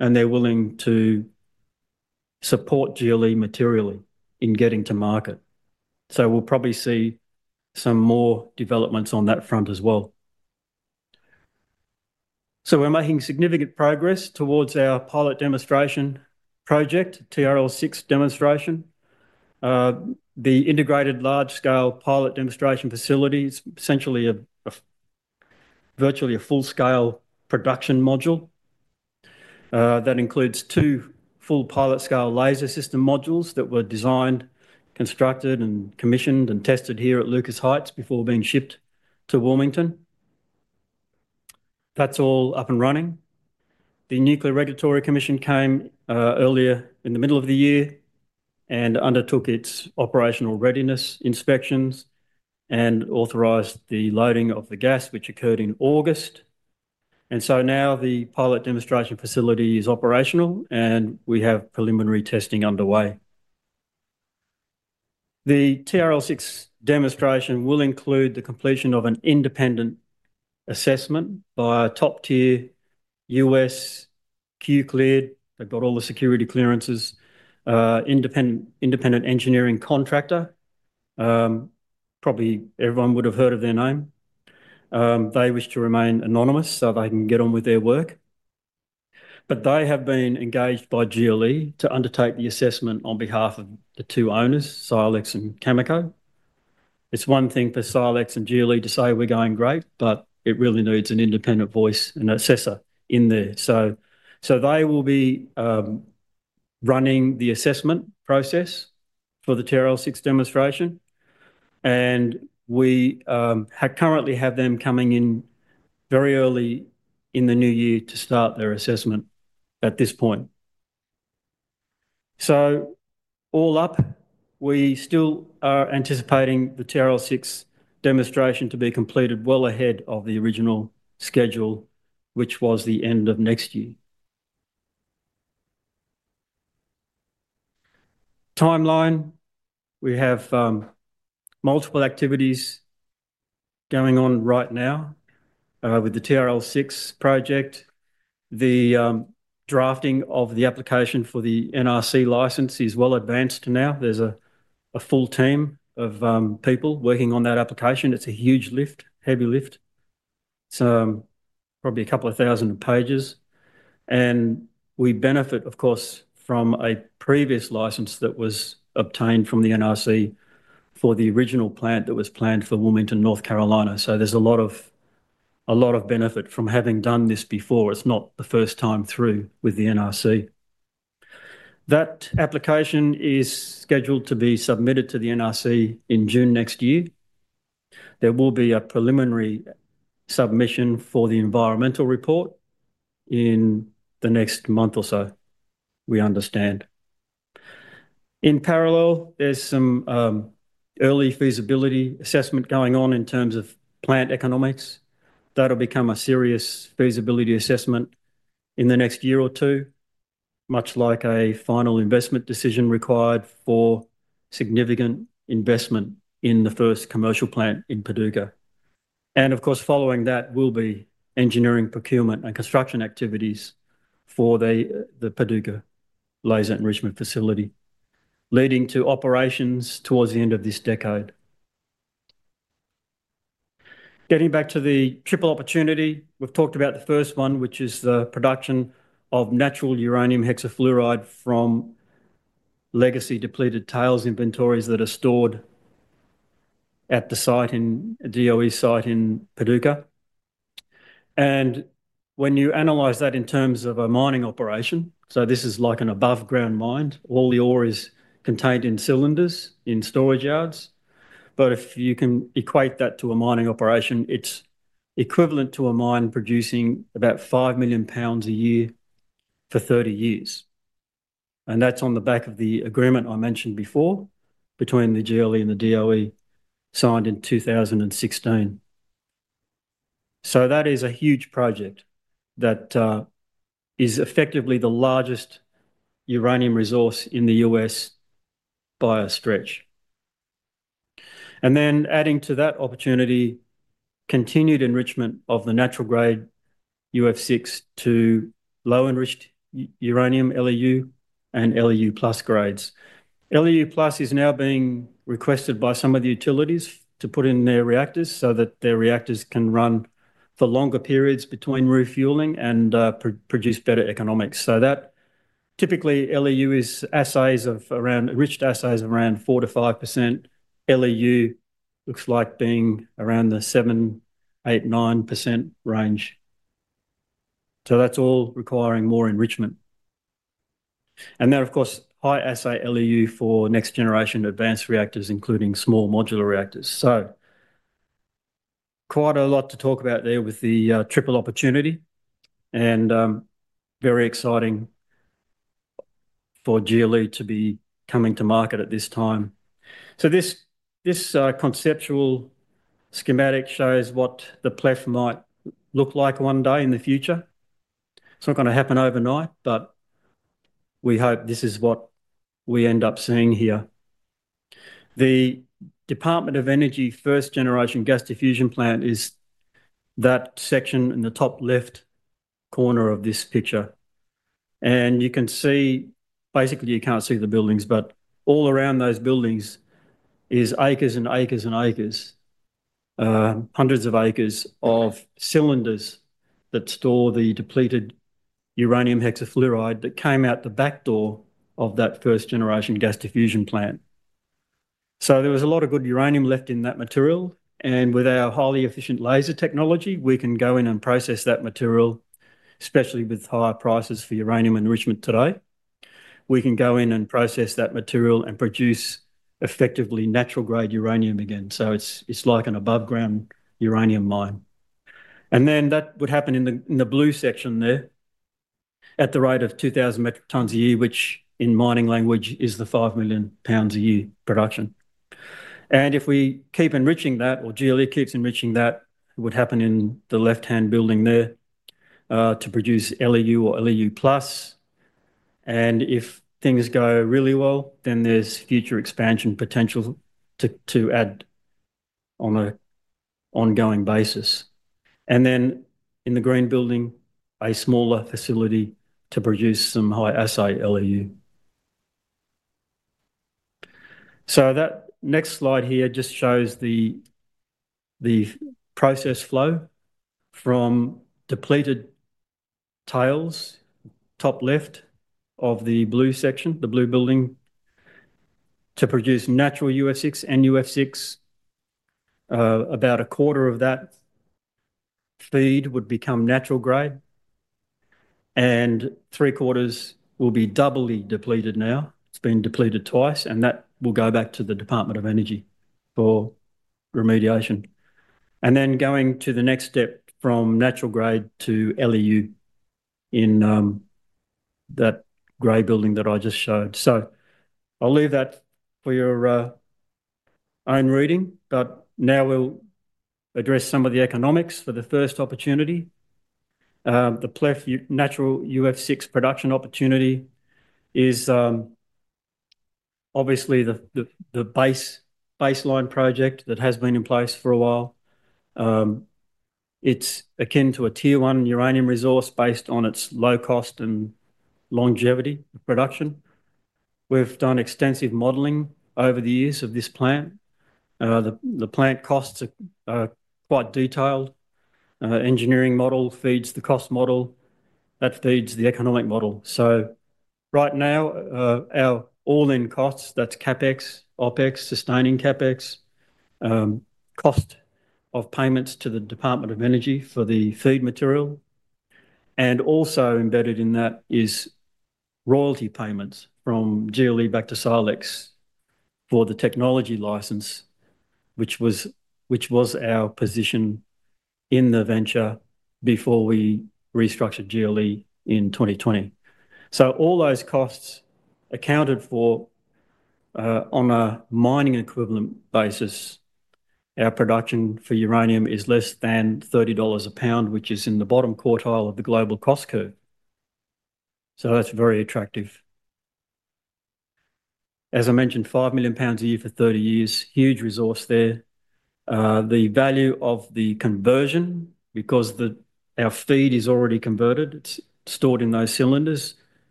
and they're willing to support GLE materially in getting to market, so we'll probably see some more developments on that front as well, so we're making significant progress towards our pilot demonstration project, TRL 6 demonstration. The integrated large scale pilot demonstration facilities. Essentially virtually a full-scale production module that includes two full pilot-scale laser system modules that were designed, constructed and commissioned and tested here at Lucas Heights before being shipped to Wilmington. That's all up and running. The Nuclear Regulatory Commission came earlier in the middle of the year and undertook its operational readiness inspections and authorized the loading of the gas which occurred in August and so now the pilot demonstration facility is operational and we have preliminary testing underway. The TRL6 demonstration will include the completion of an independent assessment by a top-tier U.S. Q-cleared. They've got all the security clearances. Independent engineering contractor. Probably everyone would have heard of their name. They wish to remain anonymous so they can get on with their work. But they have been engaged by GLE to undertake the assessment on behalf of the two owners, Silex and Cameco. It's one thing for Silex and GLE to say we're going great, but it really needs an independent voice and assessor in there. So they will be running the assessment process for the TRL6 demonstration and we currently have them coming in very early in the new year to start their assessment at this point. So all up, we still are anticipating the TRL6 demonstration to be completed well ahead of the original schedule, which was the end of next year. Timeline. We have multiple activities going on right now with the TRL6 project. The drafting of the application for the NRC license is well advanced. Now there's a full team of people working on that application. It's a huge lift, heavy lift, probably a couple of thousand pages. We benefit of course from a previous license that was obtained from the NRC for the original plant that was planned for Wilmington, North Carolina. There's a lot of, a lot of benefit from having done this before. It's not the first time through with the NRC. That application is scheduled to be submitted to the NRC in June next year. There will be a preliminary submission for the environmental report in the next month or so. We understand in parallel there's some early feasibility assessment going on in terms of plant economics that'll become a serious feasibility assessment in the next year or two. Much like a final investment decision required for significant investment in the first commercial plant in Paducah. Of course, following that will be engineering, procurement, and construction activities for the Paducah Laser Enrichment Facility, leading to operations towards the end of this decade. Getting back to the triple opportunity, we've talked about the first one, which is the production of natural uranium hexafluoride from legacy depleted tails inventories that are stored at the site in a DOE site in Paducah. And when you analyze that in terms of a mining operation, so this is like an above ground mine. All the ore is contained in cylinders in storage yards. But if you can equate that to a mining operation, it's equivalent to a mine producing about 5 million pounds a year for 30 years. And that's on the back of the agreement I mentioned before between the GLE and the DOE signed in 2016. That is a huge project that is effectively the largest uranium resource in the U.S. by a stretch, and then adding to that opportunity, continued enrichment of the natural grade UF6 to low enriched uranium LEU and LEU plus grades. LEU plus is now being requested by some of the utilities to put in their reactors so that their reactors can run for longer periods between refueling and produce better economics, so that typically LEU is assays of around 4%-5%. LEU looks like being around the 7%-9% range, so that's all requiring more enrichment, and then of course high assay LEU for next generation advanced reactors, including small modular reactors, so quite a lot to talk about there with the triple opportunity and very exciting for GLE to be coming to market at this time. This, this conceptual schematic shows what the PLEF might look like one day in the future. It's not going to happen overnight, but we hope this is what we end up seeing here. The Department of Energy first-generation gas diffusion plant is that section in the top-left corner of this picture. You can see, basically you can't see the buildings, but all around those buildings is acres and acres and acres, hundreds of acres of cylinders that store the depleted uranium hexafluoride that came out the back door of that first-generation gas diffusion plant. There was a lot of good uranium left in that material. With our highly efficient laser technology, we can go in and process that material. Especially with higher prices for uranium enrichment today, we can go in and process that material and produce effectively natural-grade uranium again. It's like an above-ground uranium mine. That would happen in the blue section there at the rate of 2,000 metric tons a year, which in mining language is the 5 million pound a year production. If we keep enriching that, or GLE keeps enriching, that would happen in the left-hand building there to produce LEU or LEU plus. If things go really well, there's future expansion potential to add on an ongoing basis. In the green building, a smaller facility to produce some high-assay LEU. That next slide here just shows. The process flow from depleted tails, top left of the blue section, the blue building, to produce natural UF6 and UF6. About a quarter of that feed would become natural grade, and three quarters will be doubly depleted. Now it's been depleted twice, and that will go back to the Department of Energy for remediation, and then going to the next step from natural grade to LEU in that gray building that I just showed. So I'll leave that for your own reading. But now we'll address some of the economics for the first opportunity. The Silex natural UF6 production opportunity is obviously the baseline project that has been in place for a while. It's akin to a Tier 1 uranium resource based on its low cost and longevity production. We've done extensive modeling over the years of this plant. The plant costs are quite detailed. Engineering model feeds the cost model, that feeds the economic model. So right now our all in costs, that's CapEx OpEx sustaining CapEx cost of payments to the Department of Energy for the feed material and also embedded in that is royalty payments from GLE back to Silex for the technology license which was, which was our position in the venture before we restructured GLE in 2020. So all those costs accounted for on a mining equivalent basis. Our production for uranium is less than $30 a pound, which is in the bottom quartile of the global cost curve. So that's very attractive. As I mentioned 5 million pound a year for 30 years, huge resource there. The value of the conversion, because our feed is already converted, it's stored in those cylinders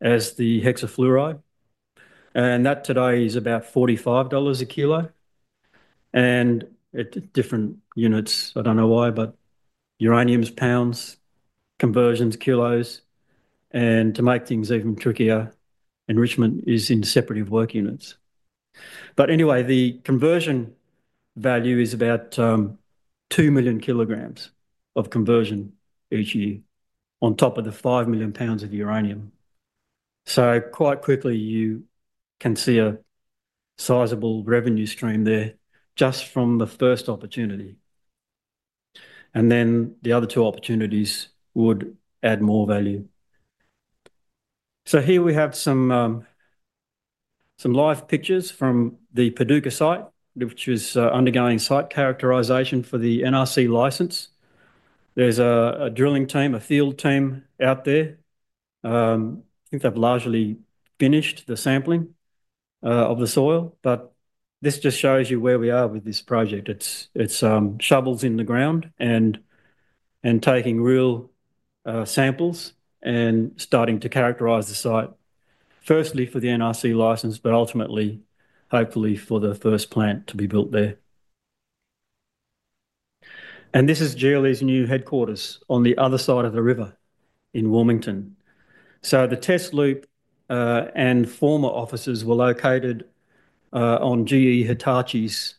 as the hexafluoride and that today is about $45 a kilo and different units. I don't know why, but uranium is pounds, conversions, kilos, and to make things even trickier, enrichment is in separative work units, but anyway the conversion value is about two million kilograms of conversion each year on top of the five million pounds of uranium, so quite quickly you can see a sizable revenue stream there just from the first opportunity and then the other two opportunities would add more value, so here we have some live pictures from the Paducah site which is undergoing site characterization for the NRC license. There's a drilling team, a field team out there. I think they've largely finished the sampling of the soil, but this just shows you where we are with this project. It's shovels in the ground and taking real samples and starting to characterize the site, firstly for the NRC license but ultimately hopefully for the first plant to be built there. And this is GLE's new headquarters on the other side of the river in Wilmington. So the test loop and former offices were located on GE Hitachi's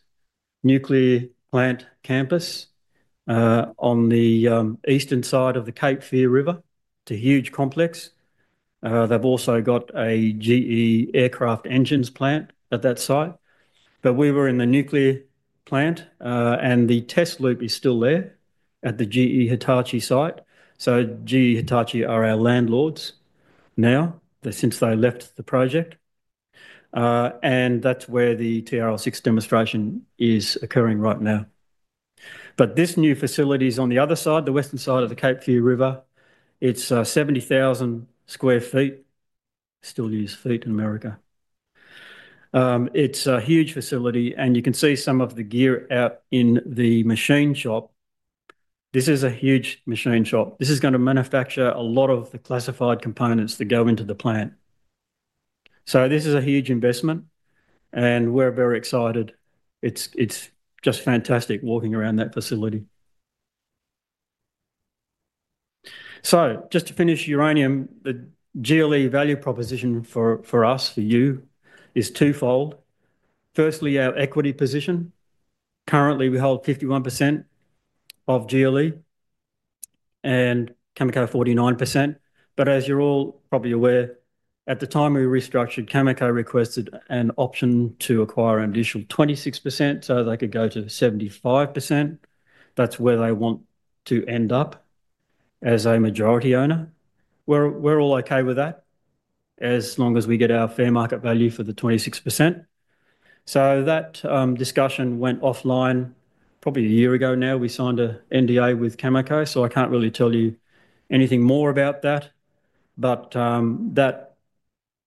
nuclear plant campus on the eastern side of the Cape Fear River. It's a huge complex. They've also got a GE aircraft engines plant at that site, but we were in the nuclear plant and the test loop is still there at the GE Hitachi site. So GE Hitachi are our landlords now since they left the project. And that's where the TRL6 demonstration is occurring right now. But this new facility is on the other side, the western side of the Cape Fear River. It's 70,000 sq ft, still use feet in America. It's a huge facility and you can see some of the gear out in the machine shop. This is a huge machine shop. This is going to manufacture a lot of the classified components that go into the plant. So this is a huge investment and we're very excited. It's just fantastic walking around that facility. So, just to finish uranium, the GLE value proposition for us, for you, is twofold. Firstly, our equity position. Currently we hold 51% of GLE and Cameco 49%. But as you're all probably aware, at the time we restructured, Cameco requested an option to acquire an additional 26% so they could go to 75%. That's where they want to end up as a majority owner. We're all okay with that as long as we get our fair market value for the 26%. So that discussion went offline probably a year ago now. We signed an NDA with Cameco, so I can't really tell you anything more about that, but that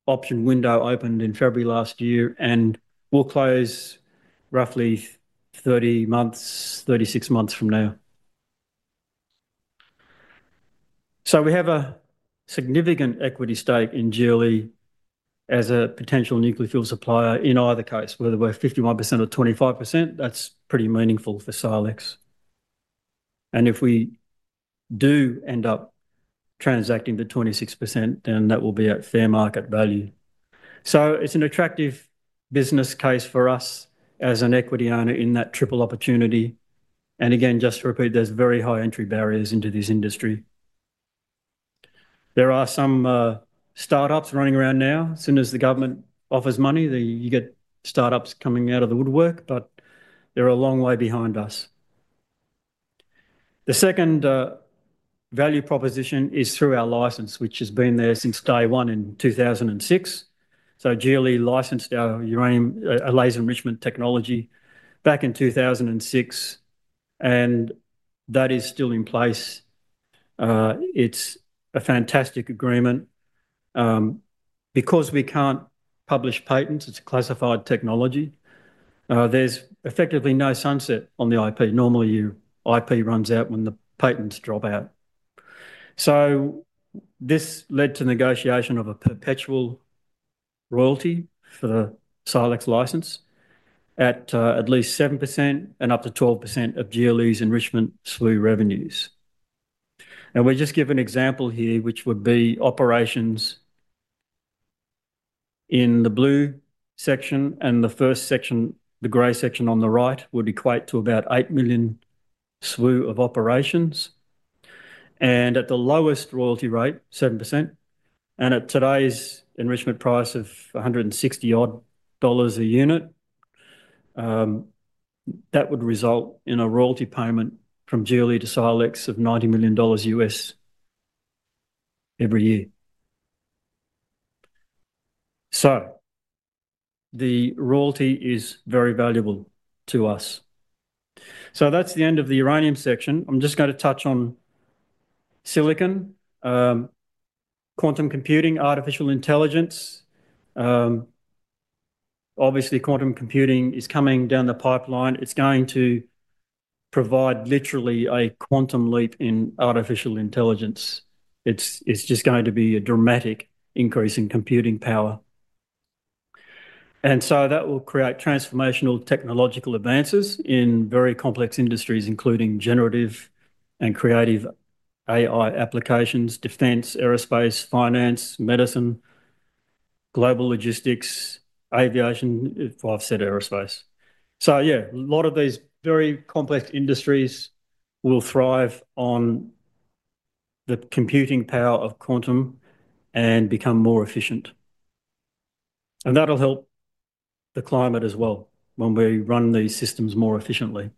option window opened in February last year and we'll close roughly 30-36 months from now. So we have a significant equity stake in GLE as a potential nuclear fuel supplier. In either case, whether we're 51% or 25%, that's pretty meaningful for Silex. And if we do end up transacting the 26%, then that will be at fair market value. So it's an attractive business case for us as an equity owner in that triple opportunity. And again, just to repeat, there's very high entry barriers into this industry. There are some startups running around now. As soon as the government offers money, you get startups coming out of the woodwork, but they're a long way behind us. The second value proposition is through our license, which has been there since day one in 2006. So GLE licensed our uranium laser enrichment technology back in 2006 and that is still in place. It's a fantastic agreement. Because we can't publish patents, it's classified technology, there's effectively no sunset on the IP. Normally your IP runs out when the patents drop out. So this led to negotiation of a perpetual royalty for the Silex license, at least 7% and up to 12% of GLE's enrichment SWU revenues. And we just give an example here, which would be operations in the blue section and the first section, the gray section on the right would equate to about 8 million SWU of operations and at the lowest royalty rate, 7%. And at today's enrichment price of $160-odd a unit, that would result in a royalty payment from GLE to Silex of $90 million every year. So the royalty is very valuable to us. So that's the end of the uranium section. I'm just going to touch on silicon quantum computing, artificial intelligence. Obviously, quantum computing is coming down the pipeline. It's going to provide literally a quantum leap in artificial intelligence. It's just going to be a dramatic increase in computing power. And so that will create transformational technological advances in very complex industries, including generative and creative AI applications, defense, aerospace, finance, medicine, global logistics, aviation. I said aerospace. So yeah, a lot of these very complex industries will thrive on the computing power of quantum and become more efficient and that'll help the climate as well when we run these systems more efficiently.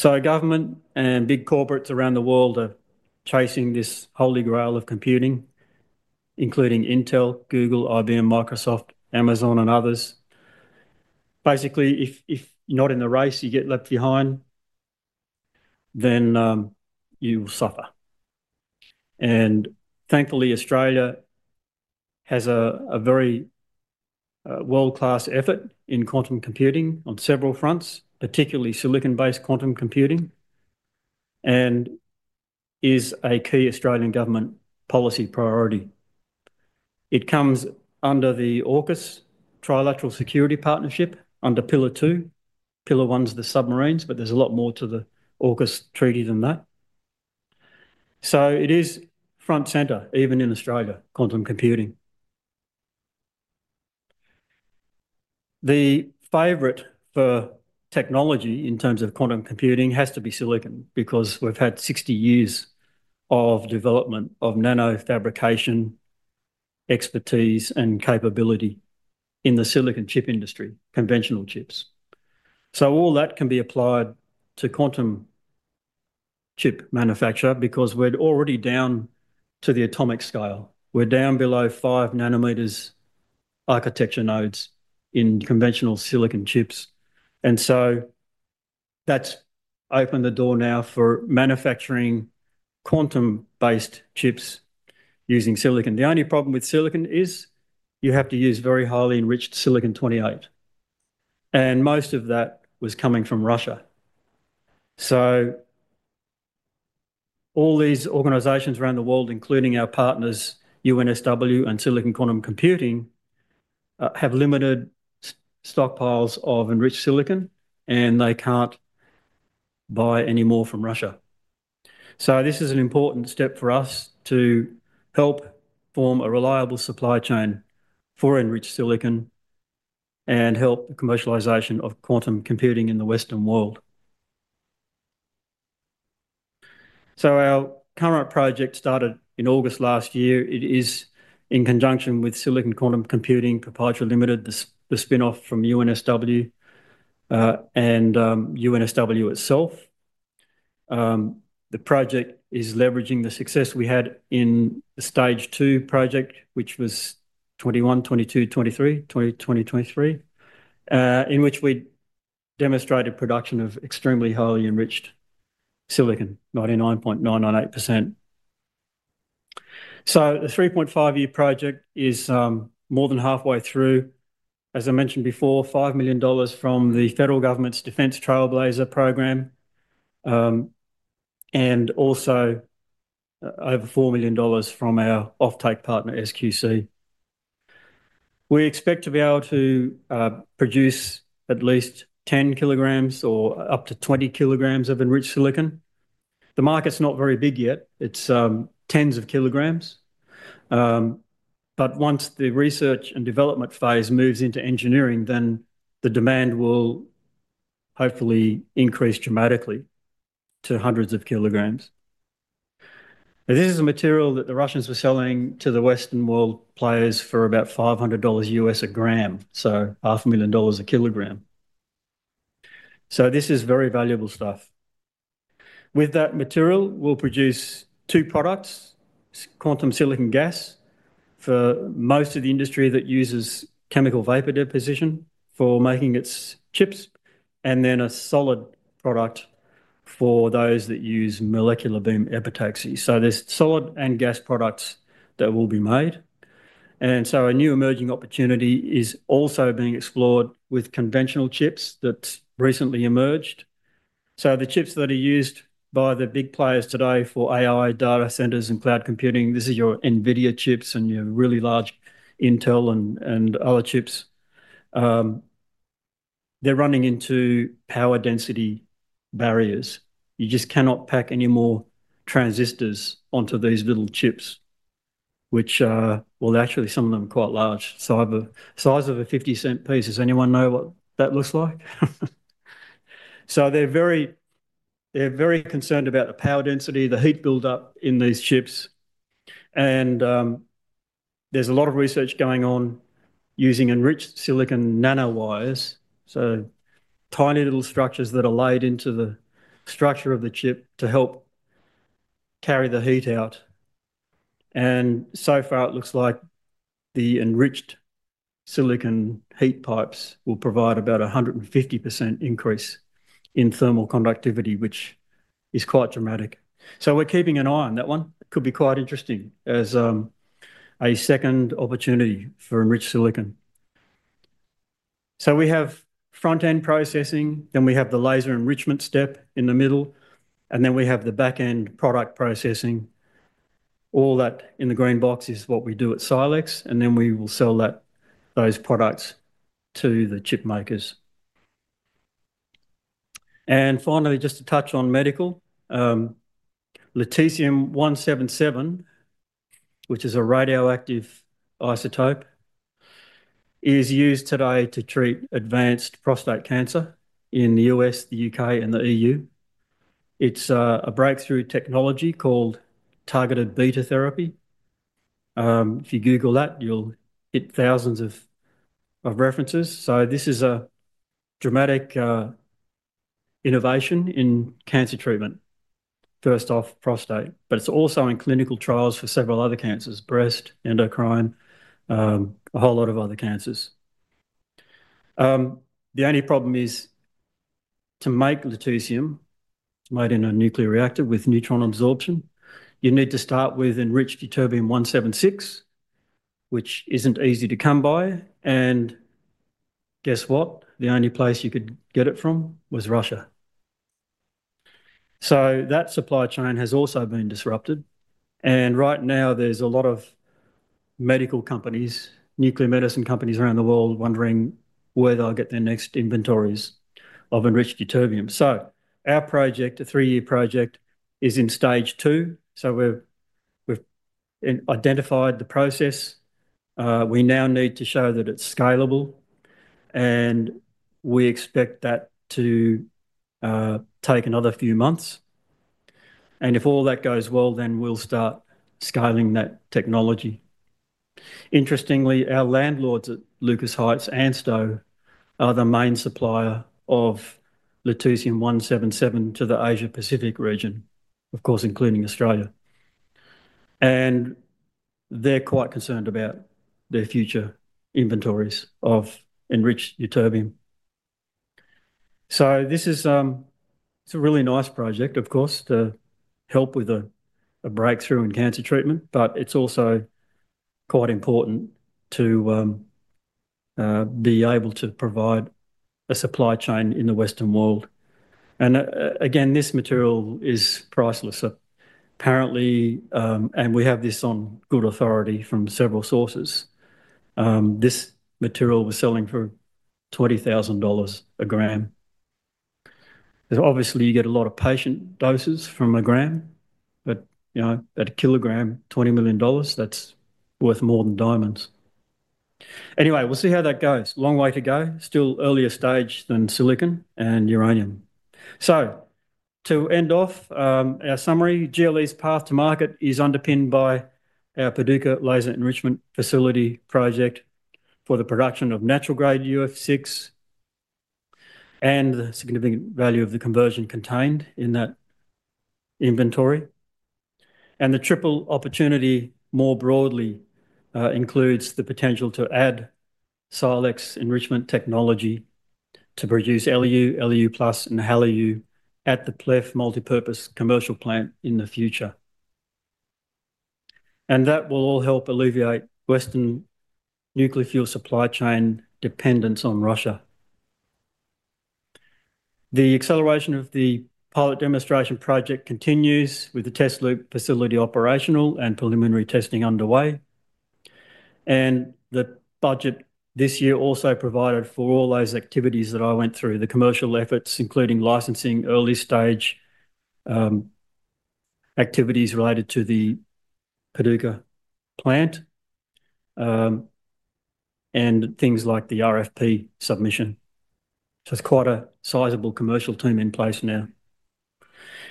Government and big corporates around the world are chasing this holy grail of computing, including Intel, Google, IBM, Microsoft, Amazon and others. Basically, if you're not in the race, you get left behind, then you will suffer. Thankfully Australia has a very world-class effort in quantum computing on several fronts, particularly silicon-based quantum computing and is a key Australian government policy priority. It comes under the AUKUS Trilateral Security Partnership under Pillar Two. Pillar One is the submarines, but there's a lot more to the AUKUS treaty than that. It is front and center even in Australia. Quantum computing, the favorite for technology in terms of quantum computing has to be silicon. Because we've had 60 years of development of nanofabrication expertise and capability in the silicon chip industry, conventional chips, so all that can be applied to quantum chip manufacture. Because we're already down to the atomic scale, we're down below 5 nm architecture nodes in conventional silicon chips. And so that's opened the door now for manufacturing quantum based chips using silicon. The only problem with silicon is you have to use very highly enriched silicon 28. And most of that was coming from Russia. So all these organizations around the world, including our partners UNSW and Silicon Quantum Computing, have limited stockpiles of enriched silicon and they can't buy any more from Russia. So this is an important step for us to help form a reliable supply chain for enriched silicon and help the commercialization of quantum computing in the Western world. So our current project started in August last year. It is in conjunction with Silicon Quantum Computing Proprietary Limited, the spin off from UNSW and UNSW itself. The project is leveraging the success we had in the stage two project, which was 2021, 2022, 2023, 2020, 2020, 2023, in which we demonstrated production of extremely highly enriched silicon. 99.998%. So the 3.5-year project is more than halfway through, as I mentioned before, 5 million dollars from the federal Government's Defence Trailblazer program and also over 4 million dollars from our offtake partner SQC. We expect to be able to produce at least 10 kg or up to 20 kg of enriched silicon. The market's not very big yet, it's tens of kilograms. But once the research and development phase moves into engineering, then the demand will hopefully increase dramatically to hundreds of kilograms. This is a material that the Russians were selling to the Western world players for about $500 a gram, so $500,000 a kilogram. So this is very valuable stuff. With that material we'll produce two products, quantum silicon gas for most of the industry that uses chemical vapor deposition for making its chips, and then a solid product for those that use molecular beam epitaxy, so there's solid and gas products that will be made, and so a new emerging opportunity is also being explored with conventional chips that recently emerged, so the chips that are used by the big players today for AI data centers and cloud computing, this is your NVIDIA chips and your really large Intel and other chips. They're running into power density barriers. You just cannot pack any more transistors onto these little chips which, well, actually some of them are quite large, so the size of a 50-cent piece. Does anyone know what that looks like? So they're very, they're very concerned about the power density, the heat buildup in these chips. And there's a lot of research going on using enriched silicon nanowires, so tiny little structures that are laid into the structure of the chip to help carry the heat out. And so far it looks like the enriched silicon heat pipes will provide about 150% increase in thermal conductivity, which is quite dramatic. So we're keeping an eye on that one. Could be quite interesting as a second opportunity for enriched silicon. So we have front-end processing, then we have the laser enrichment step in the middle and then we have the back-end product processing. All that in the green box is what we do at Silex. And then we will sell those products to the chip makers. And finally, just to touch on medical, lutetium-177, which is a radioactive isotope, is used today to treat advanced prostate cancer in the U.S., the U.K., and the E.U. It's a breakthrough technology called targeted beta therapy. If you Google that, you'll hit thousands of references. So this is a dramatic innovation in cancer treatment, first off prostate, but it's also in clinical trials for several other cancers, breast, endocrine, a whole lot of other cancers. The only problem is to make lutetium made in a nuclear reactor with neutron absorption, you need to start with enriched ytterbium-176, which isn't easy to come by. And guess what? The only place you could get it from was Russia. So that supply chain has also been disrupted. And right now there's a lot of medical companies, nuclear medicine companies around the world wondering where they'll get their next inventories of enriched ytterbium. So our project, a three-year project, is in stage two. So we've identified the process we now need to show that it's scalable and we expect that to take another few months and if all that goes well, then we'll start scaling that technology. Interestingly, our landlords at Lucas Heights ANSTO are the main supplier of lutetium-177 to the Asia-Pacific region, of course, including Australia, and they're quite concerned about their future inventories of enriched ytterbium. So this is a really nice project, of course, to help with a breakthrough in cancer treatment. But it's also quite important to be able to provide a supply chain in the Western world. And again, this material is priceless, apparently, and we have this on good authority from several sources. This material was selling for $20,000 a gram. Obviously you get a lot of patient doses from a gram, but at a kilogram, $20 million, that's worth more than diamonds anyway. We'll see how that goes. Long way to go. Still earlier stage than silicon and uranium. So to end off our summary, GLE's path to market is underpinned by our Paducah Laser Enrichment Facility project for the production of natural grade UF6. And the significant value of the conversion contained in that inventory. And the triple opportunity more broadly includes the potential to add Silex enrichment technology to produce LEU, LEU+ and HALEU at the Paducah multipurpose commercial plant in the future and that will all help alleviate Western nuclear fuel supply chain dependence on Russia. The acceleration of the pilot demonstration project continues with the test loop facility operational and preliminary testing underway, and the budget this year also provided for all those activities that I went through: the commercial efforts including licensing, early stage activities related to the Paducah plant, and things like the RFP submission. It's quite a sizable commercial team in place now.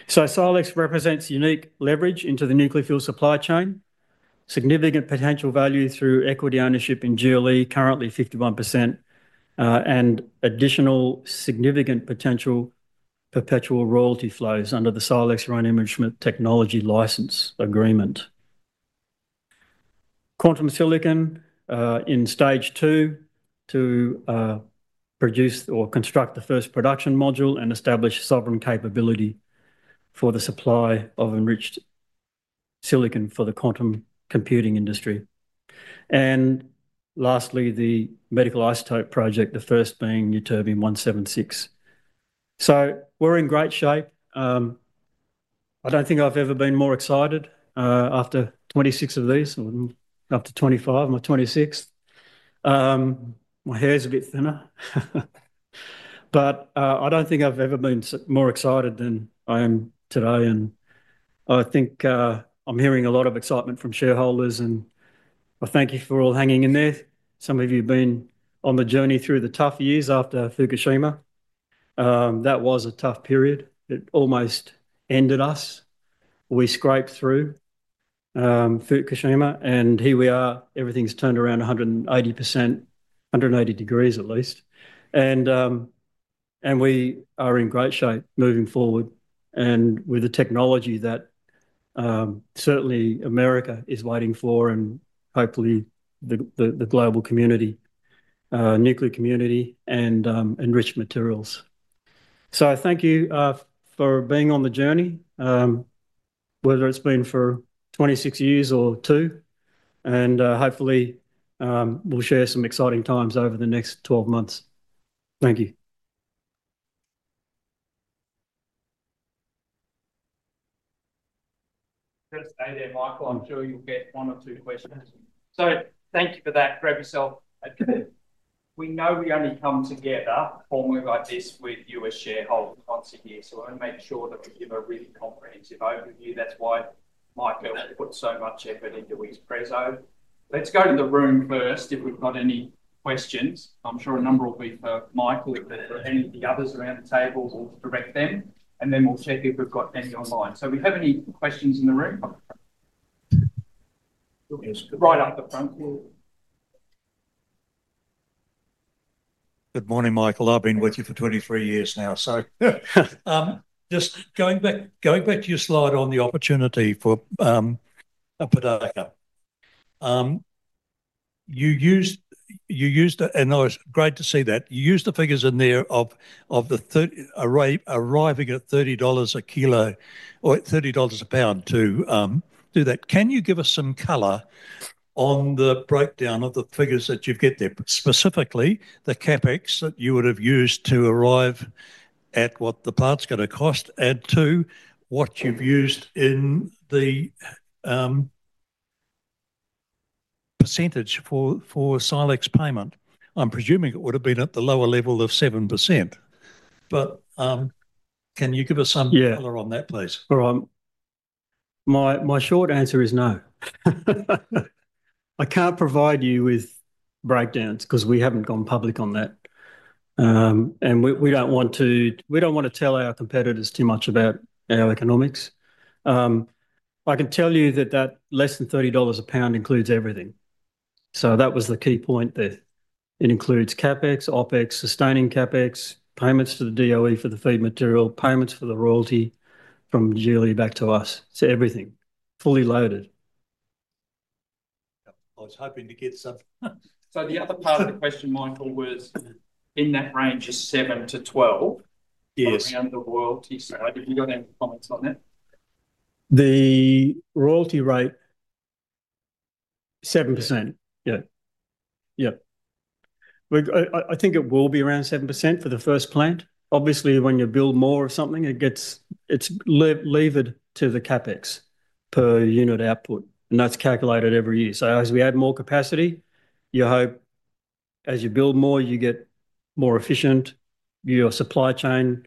Silex represents unique leverage into the nuclear fuel supply chain. Significant potential value through equity ownership in GLE currently 51% and additional significant potential perpetual royalty flows under the Silex uranium enrichment technology license agreement. Quantum silicon in stage two to produce or construct the first production module and establish sovereign capability for the supply of enriched silicon for the quantum computing industry. Lastly, the medical isotope project, the first being ytterbium-176. We're in great shape. I don't think I've ever been more excited after 26 of these or up to 25. My 26th. My hair is a bit thinner, but I don't think I've ever been more excited than I am today. And I think I'm hearing a lot of excitement from shareholders, and I thank you for all hanging in there. Some of you have been on the journey through the tough years after Fukushima. That was a tough period. It almost ended us. We scraped through Fukushima, and here we are. Everything's turned around 180%, 180 degrees at least. And we are in great shape moving forward and with the technology that certainly America is waiting for and hopefully the global community, nuclear community and enriched materials. So thank you for being on the journey, whether it's been for 26 years or two. Hopefully we'll share some exciting times over the next 12 months. Thank you. Michael, I'm sure you'll get one or two questions, so thank you for that. Grab yourself. We know we only come together formally like this with U.S. shareholders once again, so I want to make sure that, you know, really kind of comprehensive overview. That's why Michael put so much effort into his preso. Let's go to the room first. If we've got any questions? I'm sure a number will be for Michael. If there are any of the others around the table, we'll direct them and then we'll check if we've got any online, so we have any questions in the room right up the front? Good morning, Michael. I've been with you for 23 years now, so just going back to your slide on the opportunity for Paducah, you used and it was great to see that you used the figures in there of the array arriving at $30 a kilo or $30 a pound to do that. Can you give us some color on the breakdown of the figures that you've got there? Specifically the CapEx that you would have used to arrive at what the plant's going to cost, as to what you've used in the percentage for Silex payment, I'm presuming it would have been at the lower level of 7%, but can you give us some color on that please? My short answer is no. I can't provide you with breakdowns because we haven't gone public on that and we don't want to tell our competitors too much about our economics. I can tell you that less than $30 a pound includes everything. So that was the key point there. It includes CapEx OpEx sustaining CapEx payments to the DOE for the feed material, payments for the royalty from Julie back to us. So everything fully loaded. I was hoping to get some. So the other part of the question, Michael, was in that range of 7-12 around the royalty side. Have you got any comments on that? The royalty rate? 7%? Yeah, yeah, I think it will be around 7% for the first plant. Obviously, when you build more of something, it gets, it's levered to the CapEx per unit output, and that's calculated every year, so as we add more capacity, you hope as you build more you get more efficient, your supply chain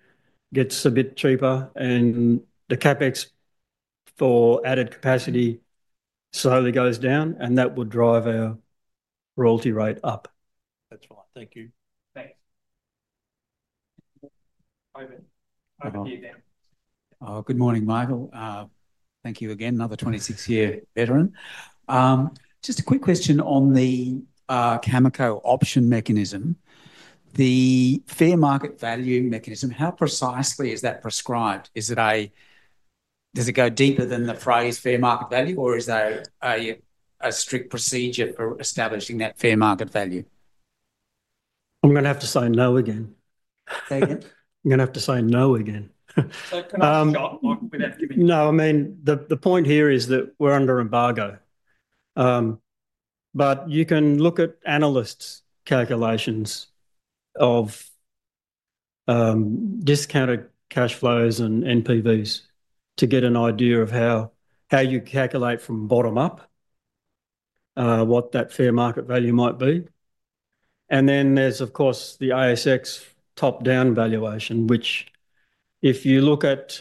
gets a bit cheaper, and the CapEx for added capacity slowly goes down, and that would drive our royalty rate up. That's right. Thank you. Thanks. Good morning Michael. Thank you again. Another 26-year veteran. Just a quick question on the Cameco option mechanism, the fair market value mechanism, how precisely is that prescribed? Is it a? Does it go deeper than the phrase fair market value or is there a strict procedure for establishing that fair market value? I'm going to have to say no again. No, I mean the point here is that we're under embargo, but you can look at analysts' calculations of discounted cash flows and NPVs to get an idea of how you calculate from bottom up what that fair market value might be, and then there's of course the ASX top down valuation which if you look at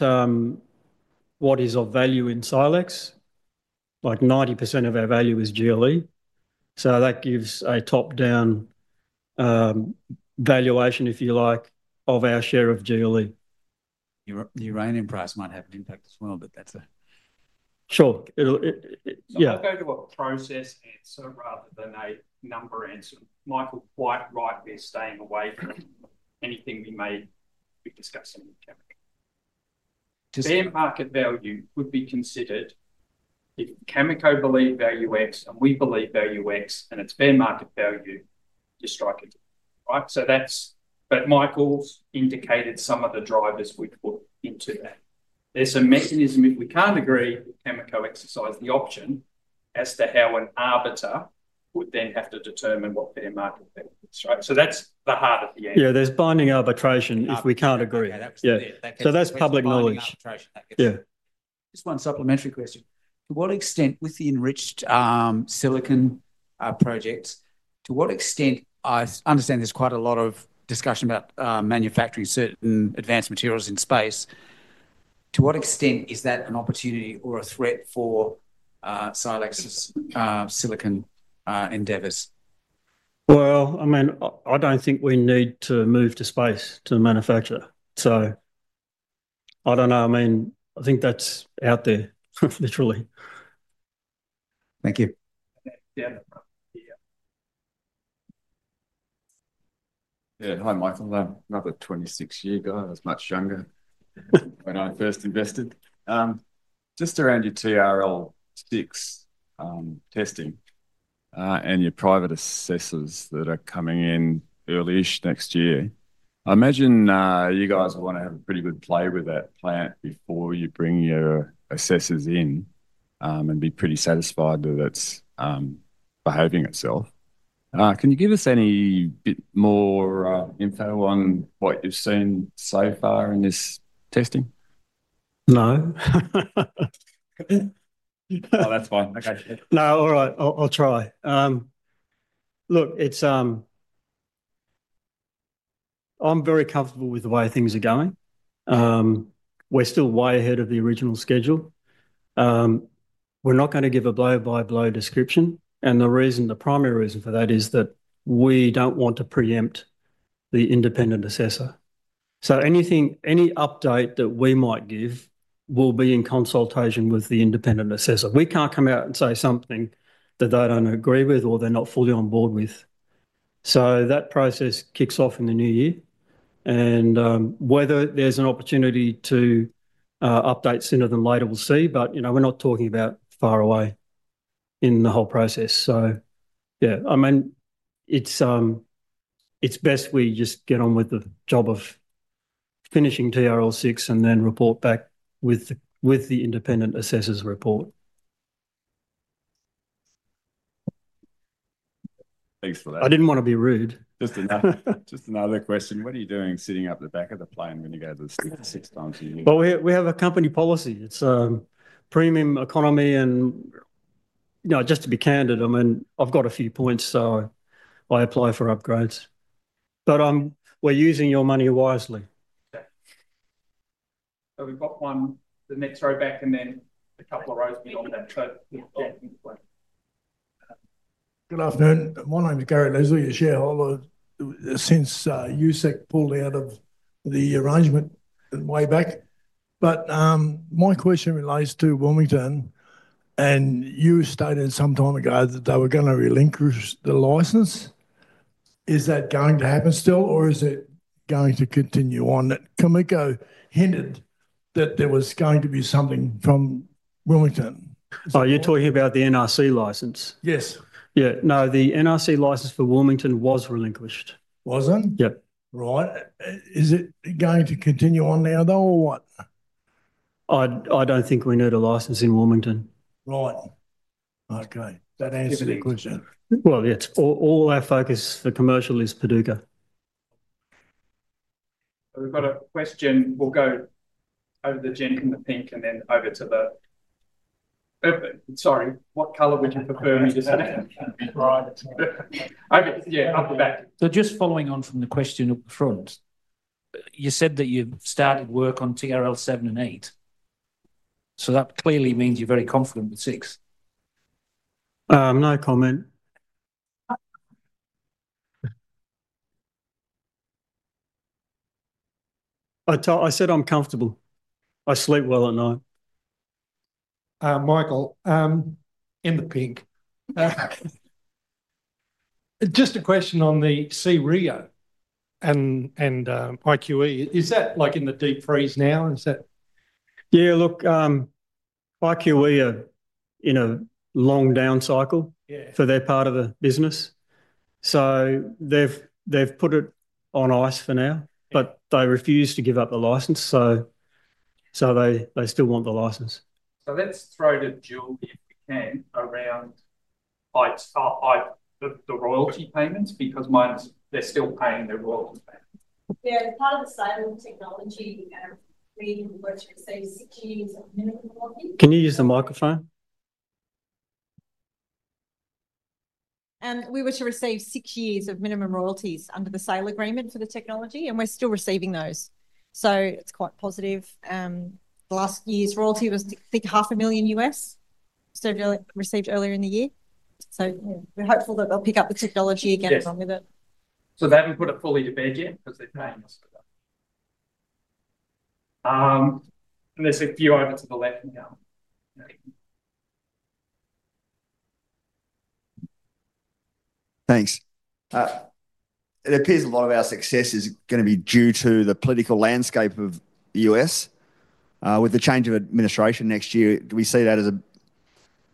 what is of value in Silex like 90% of our value is GLE. So that gives a top down valuation, if you like, of our share of GLE. The uranium price might have an impact. Well, but that's a. Sure, it'll. I'll go to a process answer rather than a number answer, Michael. Quite right. We're staying away from anything we may be discussing. Fair market value would be considered. If Cameco believe value X and we believe value X and it's fair market value, you strike it. Right. So that's. But Michael's indicated some of the drivers which would go into that there's a mechanism if we can't agree, Cameco exercise the option as to how an arbiter would then have to determine what their market is. Right. So that's the heart of the. Yeah. There's binding arbitration if we can't agree. So that's public knowledge. Yeah. Just one supplementary question. To what extent with the enriched silicon projects? To what extent? I understand there's quite a lot of discussion about manufacturing certain advanced materials in space. To what extent is that an opportunity or a threat for Silex Silicon endeavors? Well, I mean I don't think we need to move to space to manufacture. So I don't know. I mean I think that's out there literally. Thank you Yeah. Hi, Michael. Another 26-year guy. I was much younger when I first invested just around your TRL6 testing and your private assessors that are coming in early-ish next year. I imagine you guys want to have a pretty good play with that plant before you bring your assessors in and be pretty satisfied that it's behaving itself. Can you give us any bit more info on what you've seen so far in this testing? No. That'S fine. Okay. No. All right, I'll try. Look, I'm very comfortable with the way things are going. We're still way ahead of the original schedule. We're not going to give a blow by blow description. The reason, the primary reason for that is that we don't want to preempt the independent assessor. So anything, any update that we might give will be in consultation with the independent assessor. We can't come out and say something that they don't agree with or they're not fully on board with. So that process kicks off in the new year and whether there's an opportunity to update sooner than later, we'll see. But you know, we're not talking about far away in the whole process. So yeah, I mean it's best we just get on with the job of finishing TRL 6 and then report back with the independent assessor's report. Thanks for that. I didn't want to be rude. Just another question. What are you doing sitting up the back of the plane when you go? To the States? Well, we have a company policy. It's premium economy and you know, just to be candid, I mean I've got a few points, so I apply for upgrades, but we're using your money wisely. We've got one the next row back and then a couple of rows beyond that. So. Good afternoon, my name is Gary Leslie, a shareholder since USEC pulled out of the arrangement way back. But my question relates to Wilmington and you stated some time ago that they were going to relinquish the license. Is that going to happen still or is it going to continue on that GLE hinted that there was going to be something from Wilmington? Oh, you're talking about the NRC license? Yes. Yeah. No, the NRC license for Wilmington was relinquished. Wasn't. Yep. Right. Is it going to continue on now though or what? I don't think we need a license in Wilmington. Right. Okay, that answers your question. It's all our focus. The commercial is Paducah. We've got a question. We'll go to the lady in the pink and then over to the. Sorry, what color would you prefer me to say? Okay, yeah, up the back. So just following on from the question up front. You said that you started work on TRL 7 and 8, so that clearly means you're very confident with 6. No comment. I said I'm comfortable. I sleep well at night. Michael, in the pink. Just a question on the GE-Hitachi and IQE. Is that like in the deep freeze now? Yeah, look, IQE are in a long down cycle for their part of the business, so they've put it on ice for now, but they refuse to give up the license. So they still want the license. So let's throw to Julie if we can, around the royalty payments because mine's. They're still paying their royalties back. Yeah, it's part of the Silex technology. Can you use the microphone? We were to receive six years of minimum royalties under the sale agreement for the technology and we're still receiving those, so it's quite positive. Last year's royalty was, I think, $500,000 received earlier in the year, so we're hopeful that they'll pick up the technology again along with it. So they haven't put it fully to bed yet because they're paying us. There's a few over to the left now. Thanks. It appears a lot of our success. Is going to be due to the political landscape of the U.S. with the change of administration next year, do we? See that as an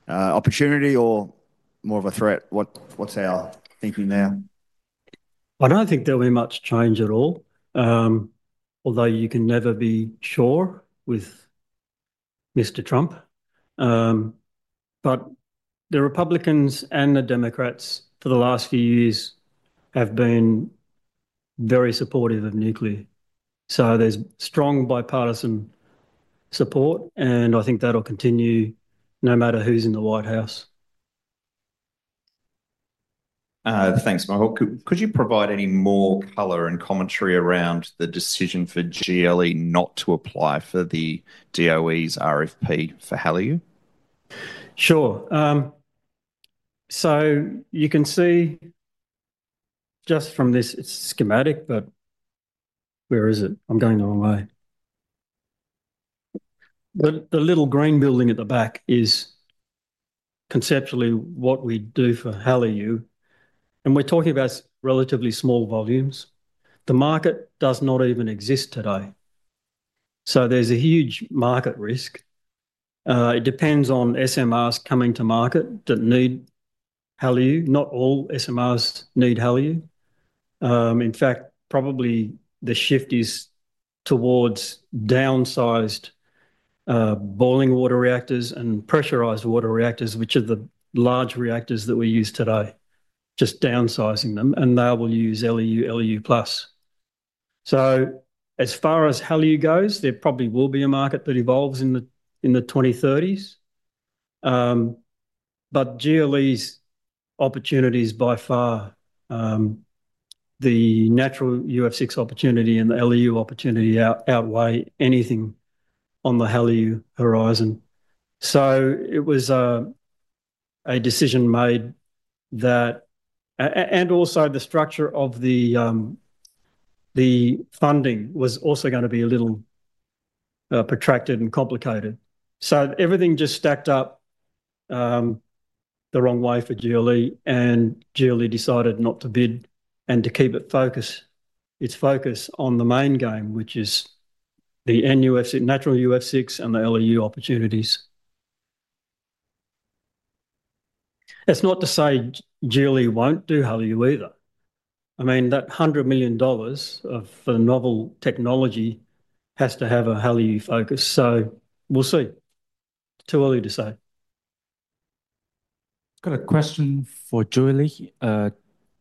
opportunity or more of a threat? What's our thinking now? I don't think there'll be much change at all, although you can never be sure with Mr. Trump. But the Republicans and the Democrats for the last few years have been very supportive of nuclear, so there's strong bipartisan support and I think that'll continue no matter who's in the White House. Thanks. Michael, could you provide any more color and commentary around the decision for GLE not to apply for the DOE's RFP for HALEU? Sure. So you can see just from this, it's schematic, but where is it? I'm going the wrong way. The little green building at the back is conceptually what we do for HALEU and we're talking about relatively small volumes. The market does not even exist today, so there's a huge market risk. It depends on SMRs coming to market that need HALEU. Not all SMRs need HALEU. In fact, probably the shift is towards downsized boiling water reactors and pressurized water reactors, which are the large reactors that we use today, just downsizing them and now we'll use HALEU. So as far as HALEU goes, there probably will be a market that evolves in the 2030s. But GLE's opportunities, by far the natural UF6 opportunity and the LEU opportunity outweigh anything on the HALEU horizon. It was a decision made that, and also the structure of the funding was also going to be a little protracted and complicated. Everything just stacked up the wrong way for GLE, and GLE decided not to bid and to keep its focus on the main game, which is the natural UF6 and the LEU opportunities. That's not to say GLE won't do HALEU either. I mean that $100 million of novel technology has to have a HALEU focus. We'll see. Too early to say. Got a question for Julie.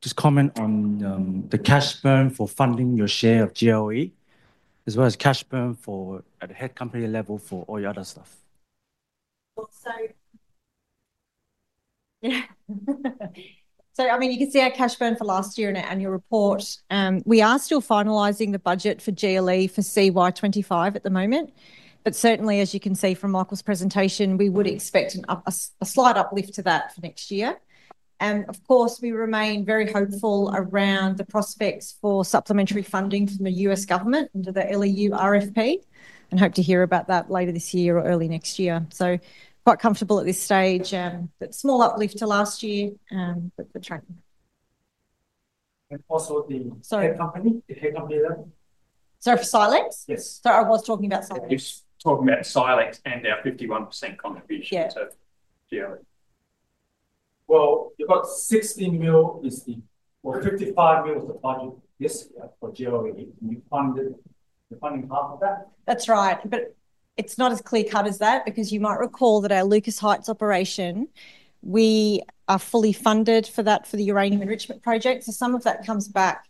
Just comment on the cash burn for funding your share of GLE as well as cash burn for at the head company level for all your other stuff. I mean you can see our cash burn for last year in our annual report. We are still finalizing the budget for GLE for CY25 at the moment, but certainly as you can see from Michael's presentation, we would expect a slight uplift to that for next year. And of course we remain very hopeful around the prospects for supplementary funding from the U.S. government under the LEU RFP and hope to hear about that later this year or early next year. Quite comfortable at this stage, but small uplift to last year. And also. The head company, the head company So for Silex. Yes, so I was talking about Silex. You're talking about Silex and our 51% contribution to GLE. Well, you've got 16 mil or 55 mil is the budget this year for GLE. Can you fund the funding, half of that? That's right. But it's not as clear cut as that because you might recall that our Lucas Heights operation, we are fully funded for that for the uranium enrichment project. So some of that comes back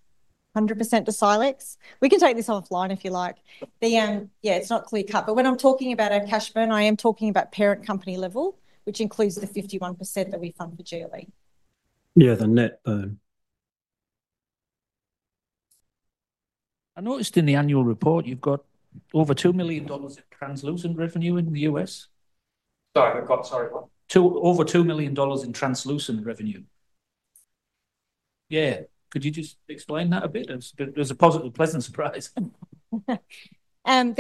100% to Silex. We can take this offline if you like. Yeah, it's not clear cut, but when I'm talking about our cash burn, I am talking about parent company level, which includes the 51% that we fund for GLE. Yeah, the net burn. I noticed in the annual report you've got over $2 million in license revenue in the U.S. Sorry, we've got. Sorry. Over $2 million in license revenue. Yeah. Could you just explain that a bit? It was a positive, pleasant surprise. The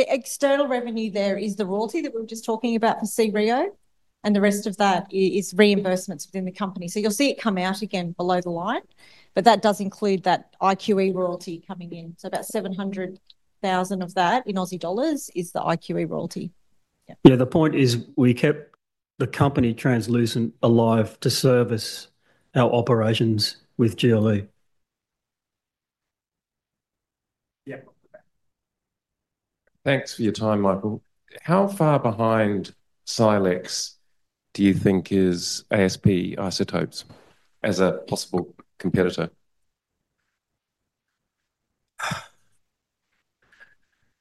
external revenue there is the royalty that we were just talking about for cREO and the rest of that is reimbursements within the company. So you'll see it come out again below the line. But that does include that IQE royalty coming in. So about 700,000 of that is the IQE royalty. Yeah. The point is we kept the company Silex alive to service our operations with GLE. Yep. Thanks for your time, Michael. How far behind Silex do you think is ASP Isotopes as a possible competitor?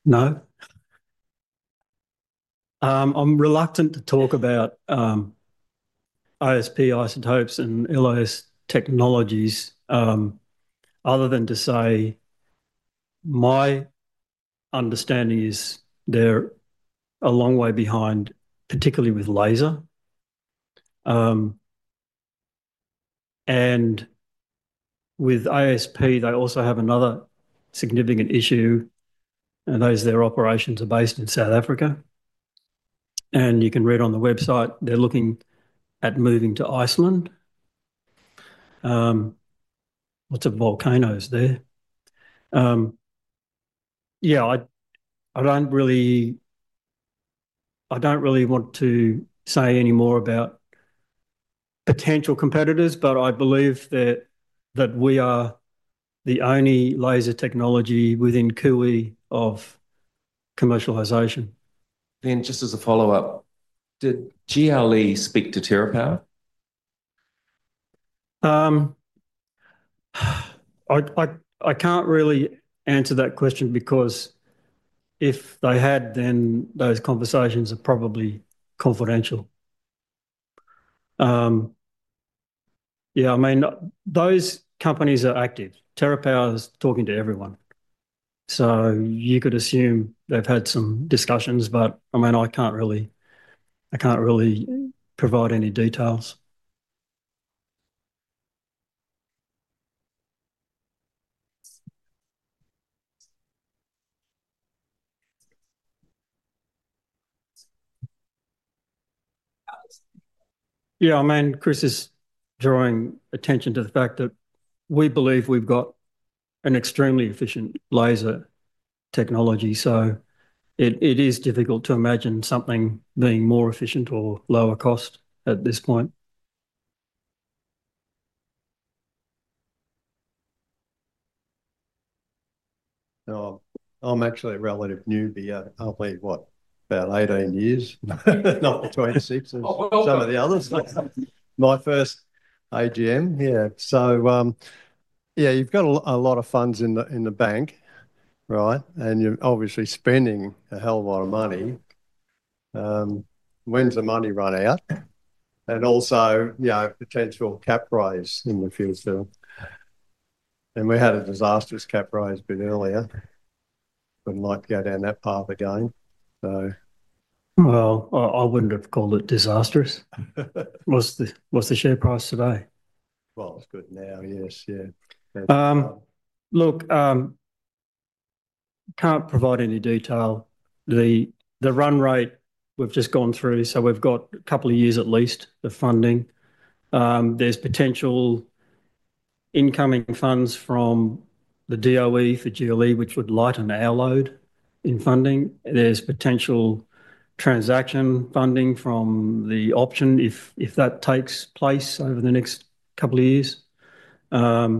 No, I'm reluctant to talk about ASP Isotopes and LIS technologies other than to say my understanding is they're a long way behind, particularly with laser, and with ASP. They also have another significant issue, and those their operations are based in South Africa, and you can read on the website they're looking at moving to Iceland. Lots of volcanoes there. Yeah, I don't really, I don't really want to say any more about potential competitors, but I believe that we are the only laser technology within cooee of commercialization. Then, just as a follow-up, did GLE speak to TerraPower? I can't really answer that question because if they had, then those conversations are probably confidential. Yeah, I mean those companies are active. TerraPower is talking to everyone, so you could assume they've had some discussions. But I mean, I can't really, I can't really provide any details. Yeah, I mean, Chris is drawing attention to the fact that we believe we've got an extremely efficient laser technology. So it is difficult to imagine something being more efficient or lower cost at this point. No, I'm actually a relative newbie. I'll be, what, about 18 years? No, between six. Some of the others. My first AGM. Yeah, yeah, you've got a lot of funds in the bank. Right, and you're obviously spending a hell of a lot of money. When's the money run out? And also, you know, potential cap rise in the future and we had a disastrous cap rise a bit earlier. Wouldn't like to go down that path again. Well, I wouldn't have called it disastrous. What's the share price today? Well, it's good now. Yes. Yeah. Look, can't provide any detail. The run rate we've just gone through, so we've got a couple of years at least. The funding, there's potential incoming funds from the DOE for GLE, which would lighten our load in funding. There's potential transaction funding from the option if that takes place over the next couple of years, and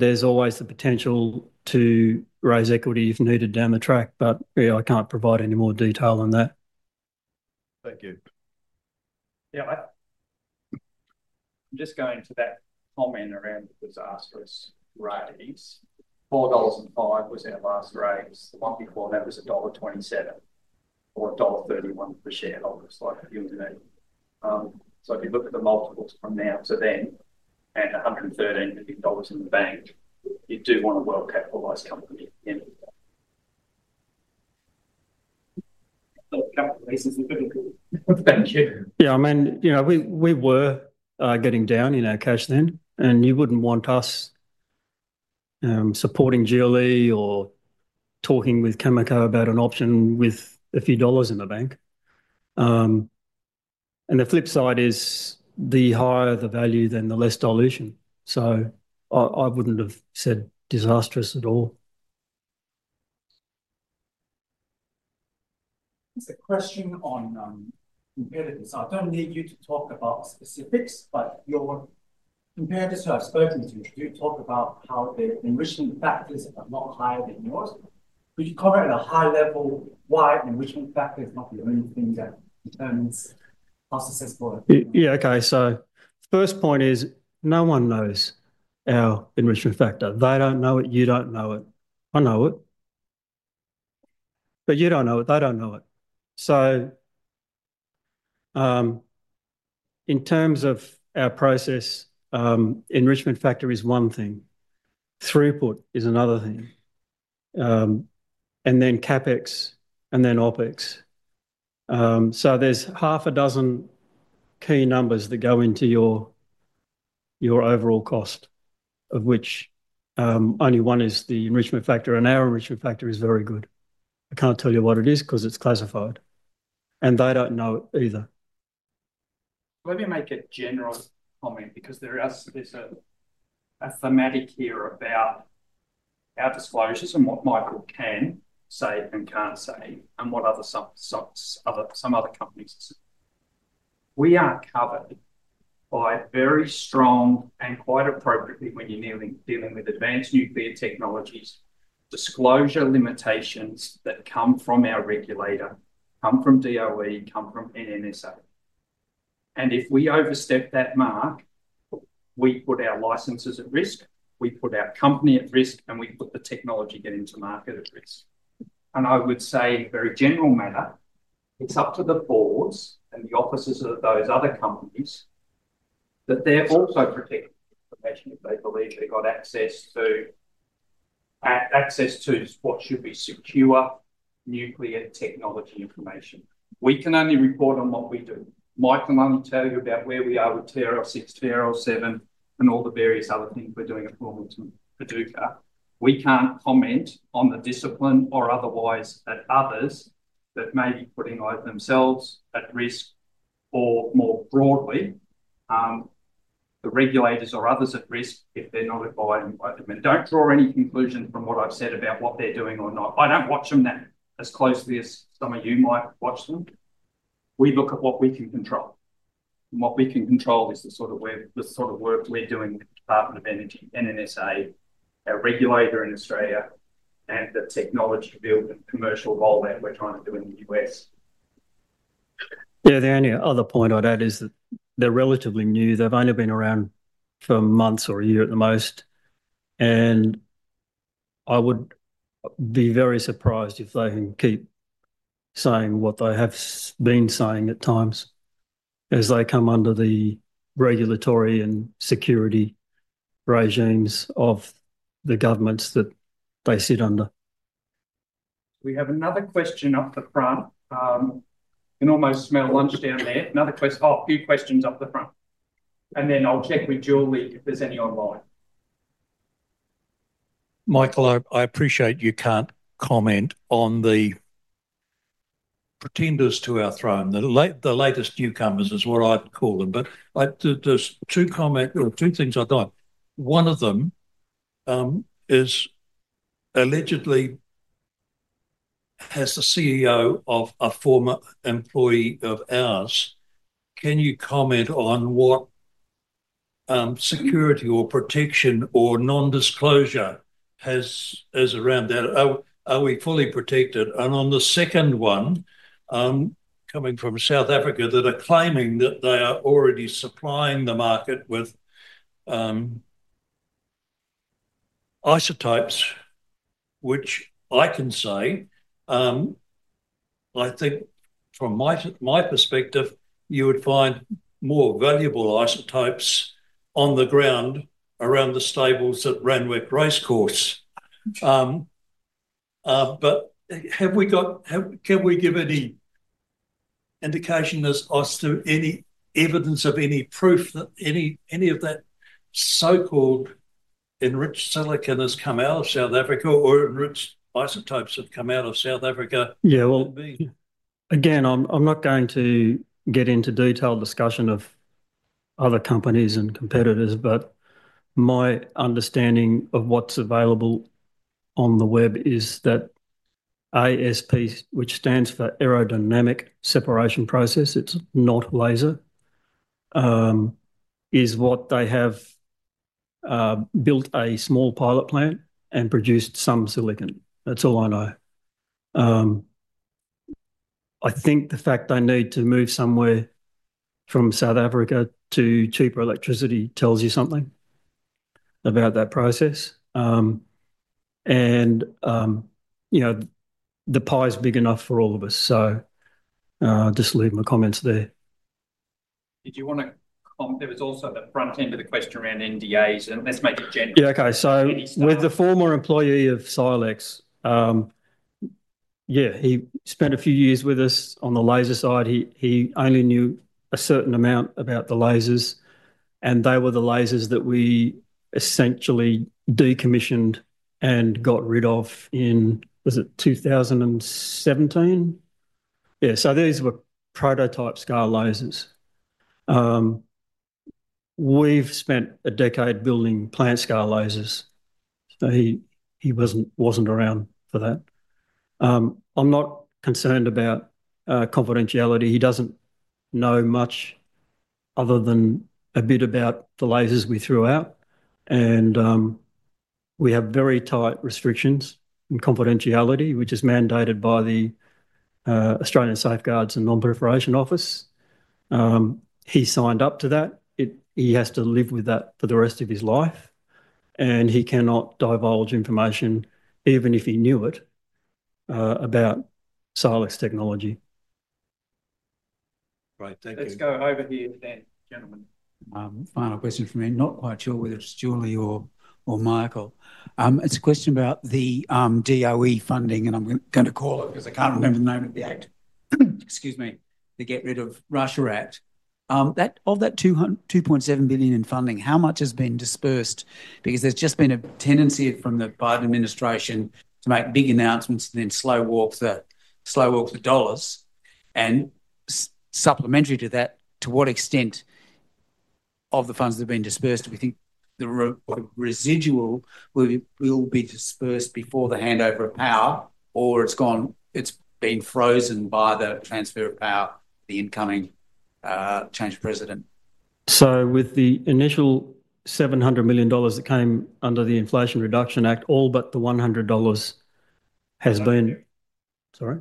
there's always the potential to raise equity if needed down the track, but I can't provide any more detail on that. Thank you. Yeah, I'm just going to that comment around the disastrous raise. 4.05 was our last raise. The one before that was dollar 1.27 or dollar 1.31 per shareholder slightly. So if you look at the multiples from now to then, and 113 million dollars in the bank, you do want a well capitalized company. Yeah. Thank you. Yeah, I mean, you know, we were getting down in our cash then and you wouldn't want us supporting GLE or talking with Cameco about an option with a few dollars in the bank. And the flip side is the higher the value then the less dilution. So I wouldn't have said disastrous at all. There's a question on competitors. I don't need you to talk about specifics, but your competitors who I've spoken to do talk about how the enriching factors are not higher than yours. Could you cover at a high level? Why? Enrichment factor is not the only thing that depends on. Yeah, okay. So first point is no one knows our enrichment factor. They don't know it. You don't know it. I know it. But you don't know it. They don't know it. So in terms of our process, enrichment factor is one thing, throughput is another thing. And then CapEx and then OpEx. So there's half a dozen key numbers that go into your, your overall cost, of which only one is the enrichment factor. And our enrichment factor is very good. I can't tell you what it is because it's classified and they don't know it either. Let me make a general comment because there is a thematic here about our disclosures and what Michael can say and can't say. Some other companies we are covered by very strong and quite appropriately when you're dealing with advanced nuclear technologies, disclosure limitations that come from our regulator, come from DOE, come from NNSA. And if we overstep that mark, we put our licenses at risk, we put our company at risk, and we put the technology getting to market at risk. And I would say in a very general manner, it's up to the boards and the officers of those other companies that they're also protecting information if they believe they got access to what should be secure nuclear technology information. We can only report on what we do. Mike can only tell you about where we are with TRL 6, TRL 7 and all the various other things we're doing at Wilmington Paducah. We can't comment on the discipline or otherwise at others that may be putting themselves at risk or more broadly the regulators or others at risk if they're not abiding by them and don't draw any conclusions from what I've said about what they're doing or not. I don't watch them as closely as some of you might watch them. We look at what we can control. What we can control is the sort of where the sort of work we're doing with the Department of Energy, NNSA, our regulator in Australia and the technology built commercial roll out we're trying to do in the U.S. Yeah. The only other point I'd add is that they're relatively new. They've only been around for months or a year at the most, and I would be very surprised if they can keep saying what they have been saying at times as they come under the regulatory and security regimes of the governments that they sit under. We have another question from the front and I can almost smell lunch down there. Another question. Oh, a few questions up the front and then I'll check with Julie if there's any online. Michael, I appreciate you can't comment on the pretenders to our throne. The latest newcomers is what I'd call them. But there's two comments or two things I got. One of them is allegedly has the CEO of a former employee of ours. Can you comment on what security or protection or non-disclosure is around that? Are we fully protected? And on the second one coming from South Africa that are claiming that they are already supplying the market with isotopes, which I can say I think from my perspective you would find more valuable isotopes on the ground around the stables at Randwick Racecourse. But have we got, can we give any indication as to any evidence of any proof that any of that so-called enriched silicon has come out of South Africa or enriched isotopes have come out of South Africa? Yeah. Well, again I'm not going to get into detailed discussion of other companies and competitors, but my understanding of what's available on the web is that ASP, which stands for aerodynamic separation process (it's not laser), is what they have built a small pilot plant and produced some silicon. That's all I know. I think the fact I need to move somewhere from South Africa to cheaper electricity tells you something about that process. And you know the pie is big enough for all of us. So just leave my comments there. Did you want to comment? There was also the front end of the question around NDAs and let's make it general. Yeah. Okay. So with the former employee of Silex. Yeah, he spent a few years with us on the laser side. He only knew a certain amount about the lasers, and they were the lasers that we essentially decommissioned and got rid of in, was it, 2017. Yeah. So these were prototype scale lasers. We've spent a decade building plant scale lasers. So he wasn't around for that. I'm not concerned about confidentiality. He doesn't know much other than a bit about the lasers we threw out, and we have very tight restrictions and confidentiality, which is mandated by the Australian Safeguards and Non-Proliferation Office. He signed up to that it. He has to live with that for the rest of his life, and he cannot divulge information even if he knew it about Silex Technology. Right, thank you. Let's go over here then, gentlemen. Final question from me, not quite sure whether it's Julie or Michael. It's a question about the DOE funding and I'm going to call it because. I can't remember the name of the act. Excuse me, to get rid of Russia act of that $2.7 billion in funding, how much has been dispersed because there's just been a tendency from the Biden administration to make big announcements, then slow walk the dollars, and supplementary to that, to what extent of the funds that have been dispersed, do we think the residual will be dispersed before the handover of power or it's gone. It's been frozen by the transfer of power. The incoming change president. With the initial $700 million that came under the Inflation Reduction Act, all but the $100 has been. Sorry,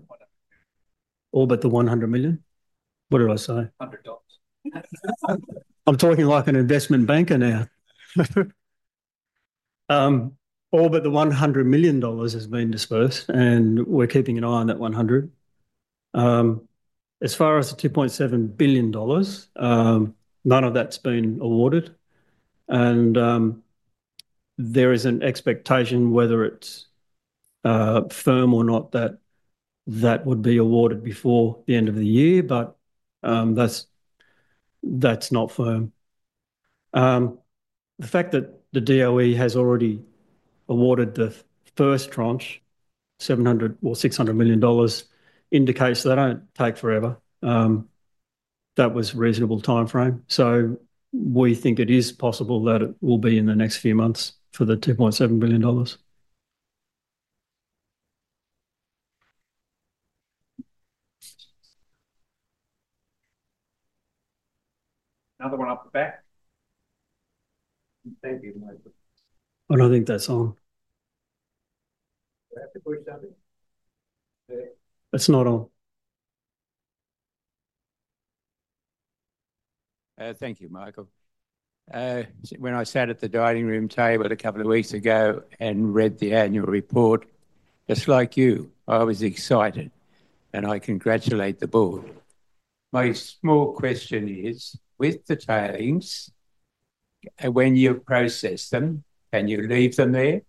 all but the $100 million. What did I say? I'm talking like an investment banker. Now all but the $100 million has been dispersed and we're keeping an eye on that 100. As far as the $2.7 billion, none of that's been awarded and there is an expectation whether it's firm or not, that that would be awarded before the end of the year. But that's, that's not firm. The fact that the DOE has already awarded the first tranche 700 or $600 million indicates they don't take forever. That was reasonable timeframe. We think it is possible that it will be in the next few months for the $2.7 billion. Another one up the back. Thank you, Michael. I don't think that's on. That's not on. Thank you, Michael. When I sat at the dining room table a couple of weeks ago and read the annual report just like you, I was excited and I congratulate the board. My small question is with the tailings, when you process them, can you leave them there?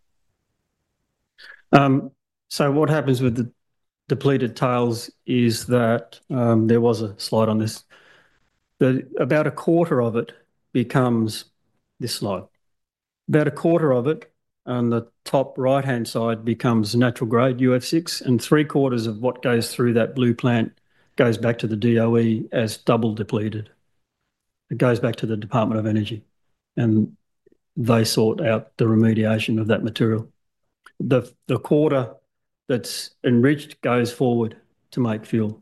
What happens with the depleted tails is that there was a slide on this. About a quarter of it becomes depleted tails, about a quarter of it on the top right-hand side becomes natural grade UF6. 3/4 of what goes through that blue plant goes back to the DOE as double depleted. It goes back to the Department of Energy and they sort out the remediation of that material. The quarter that's enriched goes forward to make fuel.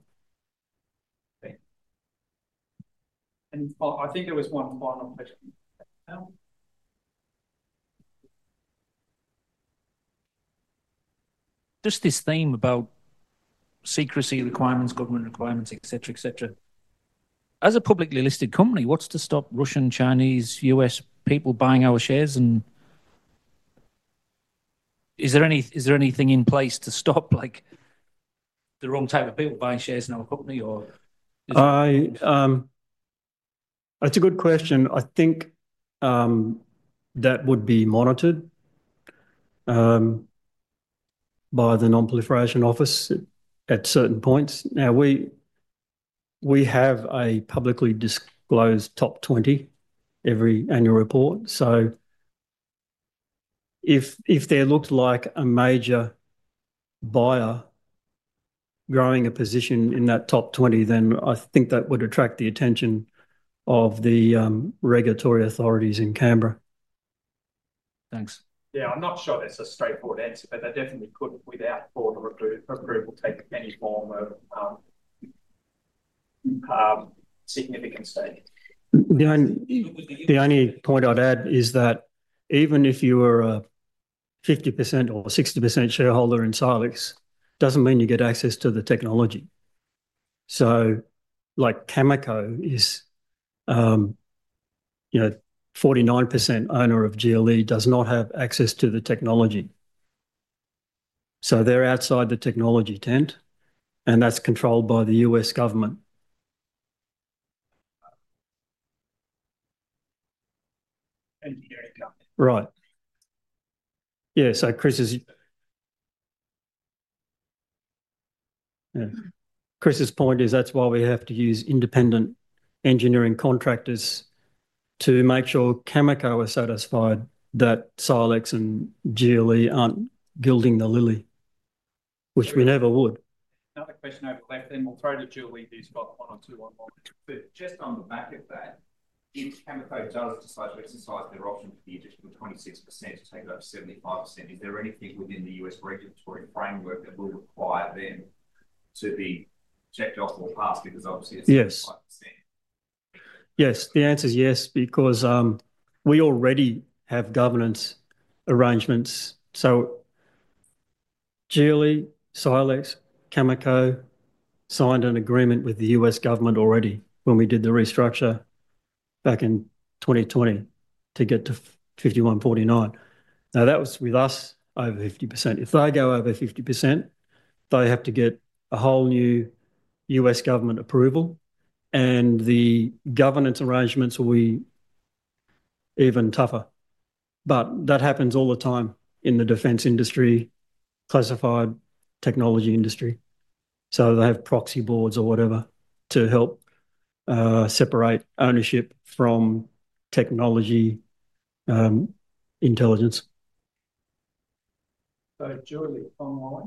I think there was one final question. Just this theme about secrecy requirements, government requirements, etc. etc. As a publicly listed company, what's to stop Russian, Chinese, U.S. people buying our shares? And is there anything in place to stop like the wrong type of people buying shares in our company or. That's a good question. I think that would be monitored by the non-proliferation office at certain points. Now we have a publicly disclosed top 20 every annual report. So if there looked like a major buyer growing a position in that top 20, then I think that would attract the attention of the regulatory authorities in Canberra. Thanks. Yeah, I'm not sure that's a straightforward answer, but they definitely couldn't, without board-approved approval, take any form of significant stake. The only point I'd add is that even if you are a 50% or 60% shareholder in Silex, doesn't mean you get access to the technology. So like Cameco is, you know, 49% owner of GLE does not have access to the technology. So they're outside the technology tent, and that's controlled by the U.S. Government, right? Yeah. So Chris is. Chris's point is that's why we have to use independent engineering contractors to make sure Cameco is satisfied that Silex and GLE aren't gilding the lily, which we never would. Another question over left. Then we'll throw to Julie, who's got one on two, one, one. Just on the back of that, if Cameco does decide to exercise their option for the additional 26% to take it up to 75%, is there anything within the U.S. regulatory framework that will require them to be checked off or passed? Because obviously it's 75%. Yes, the answer is yes, because we already have governance arrangements, so GLE, Silex, Cameco signed an agreement with the U.S. government already when we did the restructure back in 2020 to get to 5,149. Now that was with us over 50%. If they go over 50%, they have to get a whole new U.S. government approval and the governance arrangements will be even tougher, but that happens all the time in the defense industry, classified technology industry, so they have proxy boards or whatever to help separate ownership from technology intelligence. So, Julie, on Moly.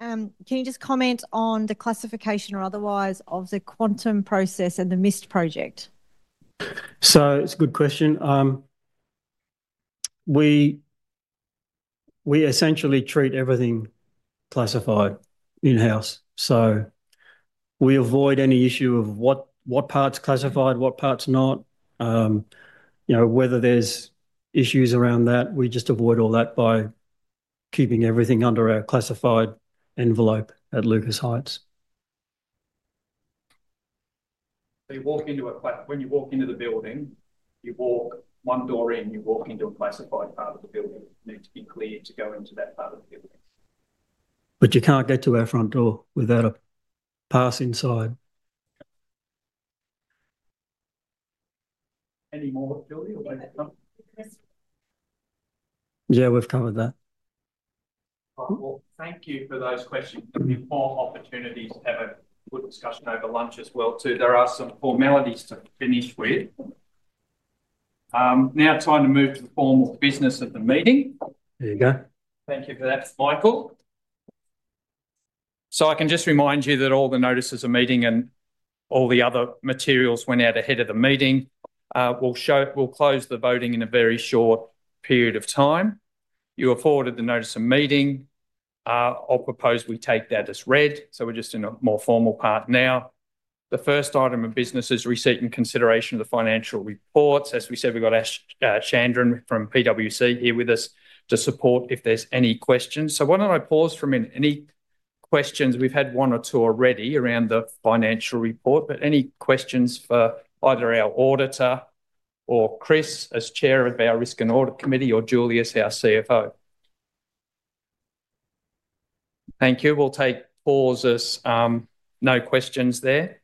Can you just comment on the classification or otherwise of the quantum process and the MIST project? So it's a good question. We essentially treat everything classified in house, so we avoid any issue of what part's classified, what part's not, you know, whether there's issues around that. We just avoid all that by keeping everything under our classified envelope at Lucas Heights. So you walk into a class. When you walk into the building, you walk one door in. You walk into a classified part of the building. Need to be cleared to go into that part of the building. But you can't get to our front door without a pass inside. Any more, Julie? Yeah, we've covered that. Thank you for those questions. There'll be more opportunities to have a good discussion over lunch as well too. There are some formalities to finish with. Now. Time to move to the formal business of the meeting. There you go. Thank you for that, Michael. So I can just remind you that all the notices of meeting and all the other materials went out ahead of the meeting. We'll close the voting in a very short period of time. You were forwarded the notice of meeting. I'll propose we take that as read. So we're just in a more formal part now. The first item of business is receipt and consideration of the financial reports. As we said, we've got Aish Chandran from PwC here with us to support if there's any questions. So why don't I pause for a minute? Any questions? We've had one or two already around the financial report, but any questions for either our auditor or Chris as chair of our Risk and Audit Committee, or Julie as, our CFO? Thank you. We'll take pauses. No questions there.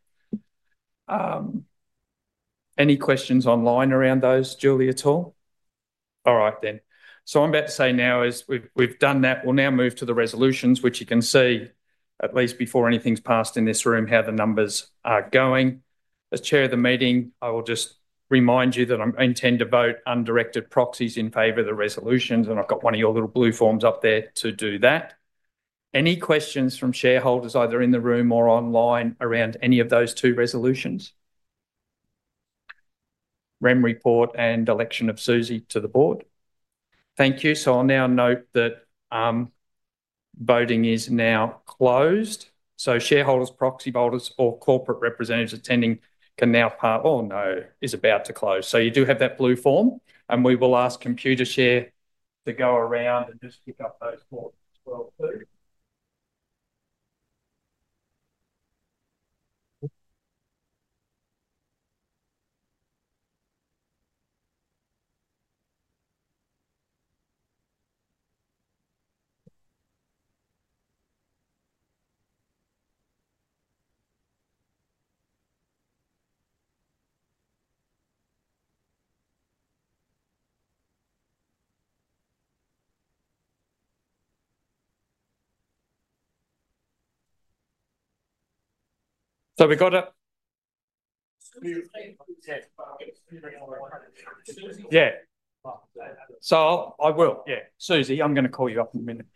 Any questions online around those, Julie? At all? All right, then. So I'm about to say now is we've done that. We'll now move to the resolutions, which you can see, at least before anything's passed in this room, how the numbers are going. As Chair of the meeting, I will just remind you that I intend to vote undirected proxies in favor of the resolutions. And I've got one of your little blue forms up there to do that. Any questions from shareholders either in the room or online around any of those two resolutions? Rem report and election of Susie to the board. Thank you. So I'll now note that voting is now closed, so shareholders, proxy voters or corporate representatives attending can now pass or no is about to close. So you do have that blue form. And we will ask Computershare to go around and just pick up those forms as well. So we got it. Yeah. So I will. Yeah. Susie, I'm going to call you up in a minute.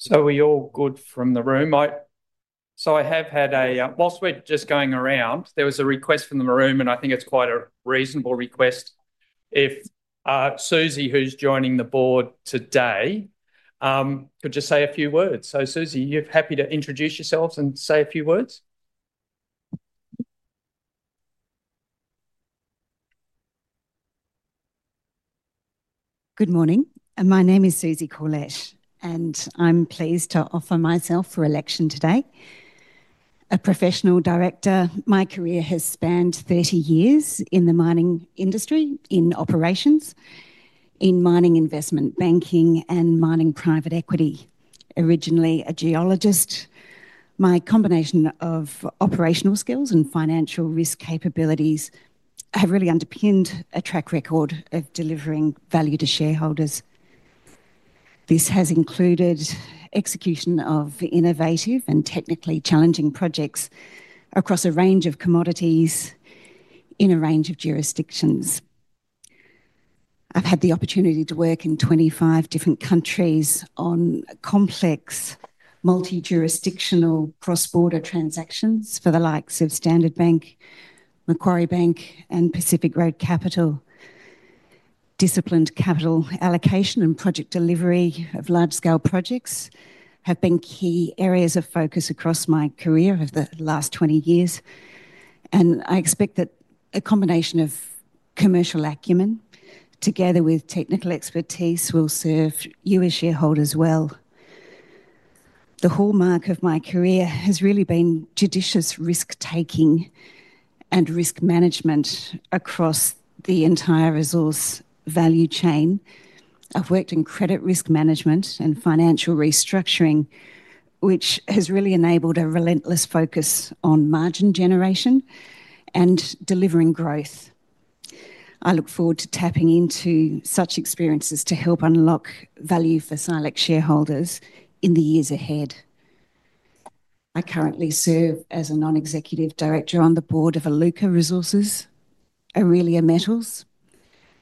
So we all good from the room? So I have had a while, we're just going around. There was a request from the room and I think it's quite a reasonable request if Susie, who's joining the board today, could just say a few words. So, Susie, you're happy to introduce yourselves and say a few words. Good morning. My name is Susie Corlett and I'm pleased to offer myself for election today as a professional director. My career has spanned 30 years in the mining industry, in operations in mining, investment banking and mining private equity. Originally a geologist, my combination of operational skills and financial risk capabilities have really underpinned a track record of delivering value to shareholders. This has included execution of innovative and technically challenging projects across a range of commodities in a range of jurisdictions. I've had the opportunity to work in 25 different countries on complex multi-jurisdictional cross-border transactions for the likes of Standard Bank, Macquarie Bank and Pacific Road Capital. Disciplined capital allocation and project delivery of large-scale projects have been key areas of focus across my career over the last 20 years. I expect that a combination of commercial acumen together with technical expertise will serve you as shareholders well. The hallmark of my career has really been judicious risk taking and risk management across the entire resource value chain. I've worked in credit risk management and financial restructuring which has really enabled a relentless focus on margin generation and delivering growth. I look forward to tapping into such experiences to help unlock value for Silex shareholders in the years ahead. I currently serve as a non executive director on the board of Iluka Resources, Aurelia Metals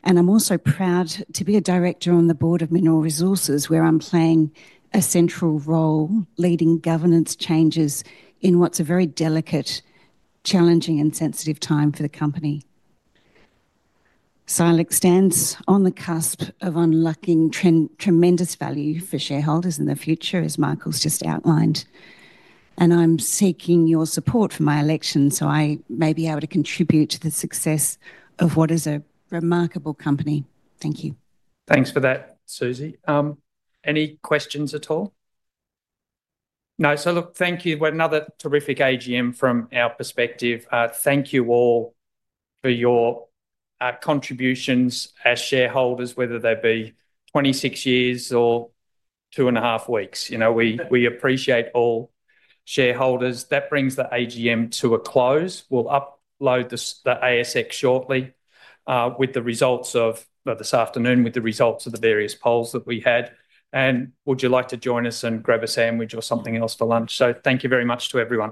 and I'm also proud to be a director on the board of Mineral Resources where I'm playing a central role leading governance changes in what's a very delicate, challenging and sensitive time for the company. Silex stands on the cusp of unlocking tremendous value for shareholders in the future, as Michael has just outlined. I'm seeking your support for my election so I may be able to contribute to the success of what is a remarkable company. Thank you. Thanks for that, Susie. Any questions at all? No. So, look, thank you. Another terrific AGM from our perspective. Thank you all for your contributions as shareholders, whether they be 26 years or two and a half weeks. You know, we appreciate all shareholders. That brings the AGM to a close. We'll upload the ASX shortly, with the results of this afternoon, with the results of the various polls that we had. And would you like to join us and grab a sandwich or something else for lunch? So thank you very much to everyone.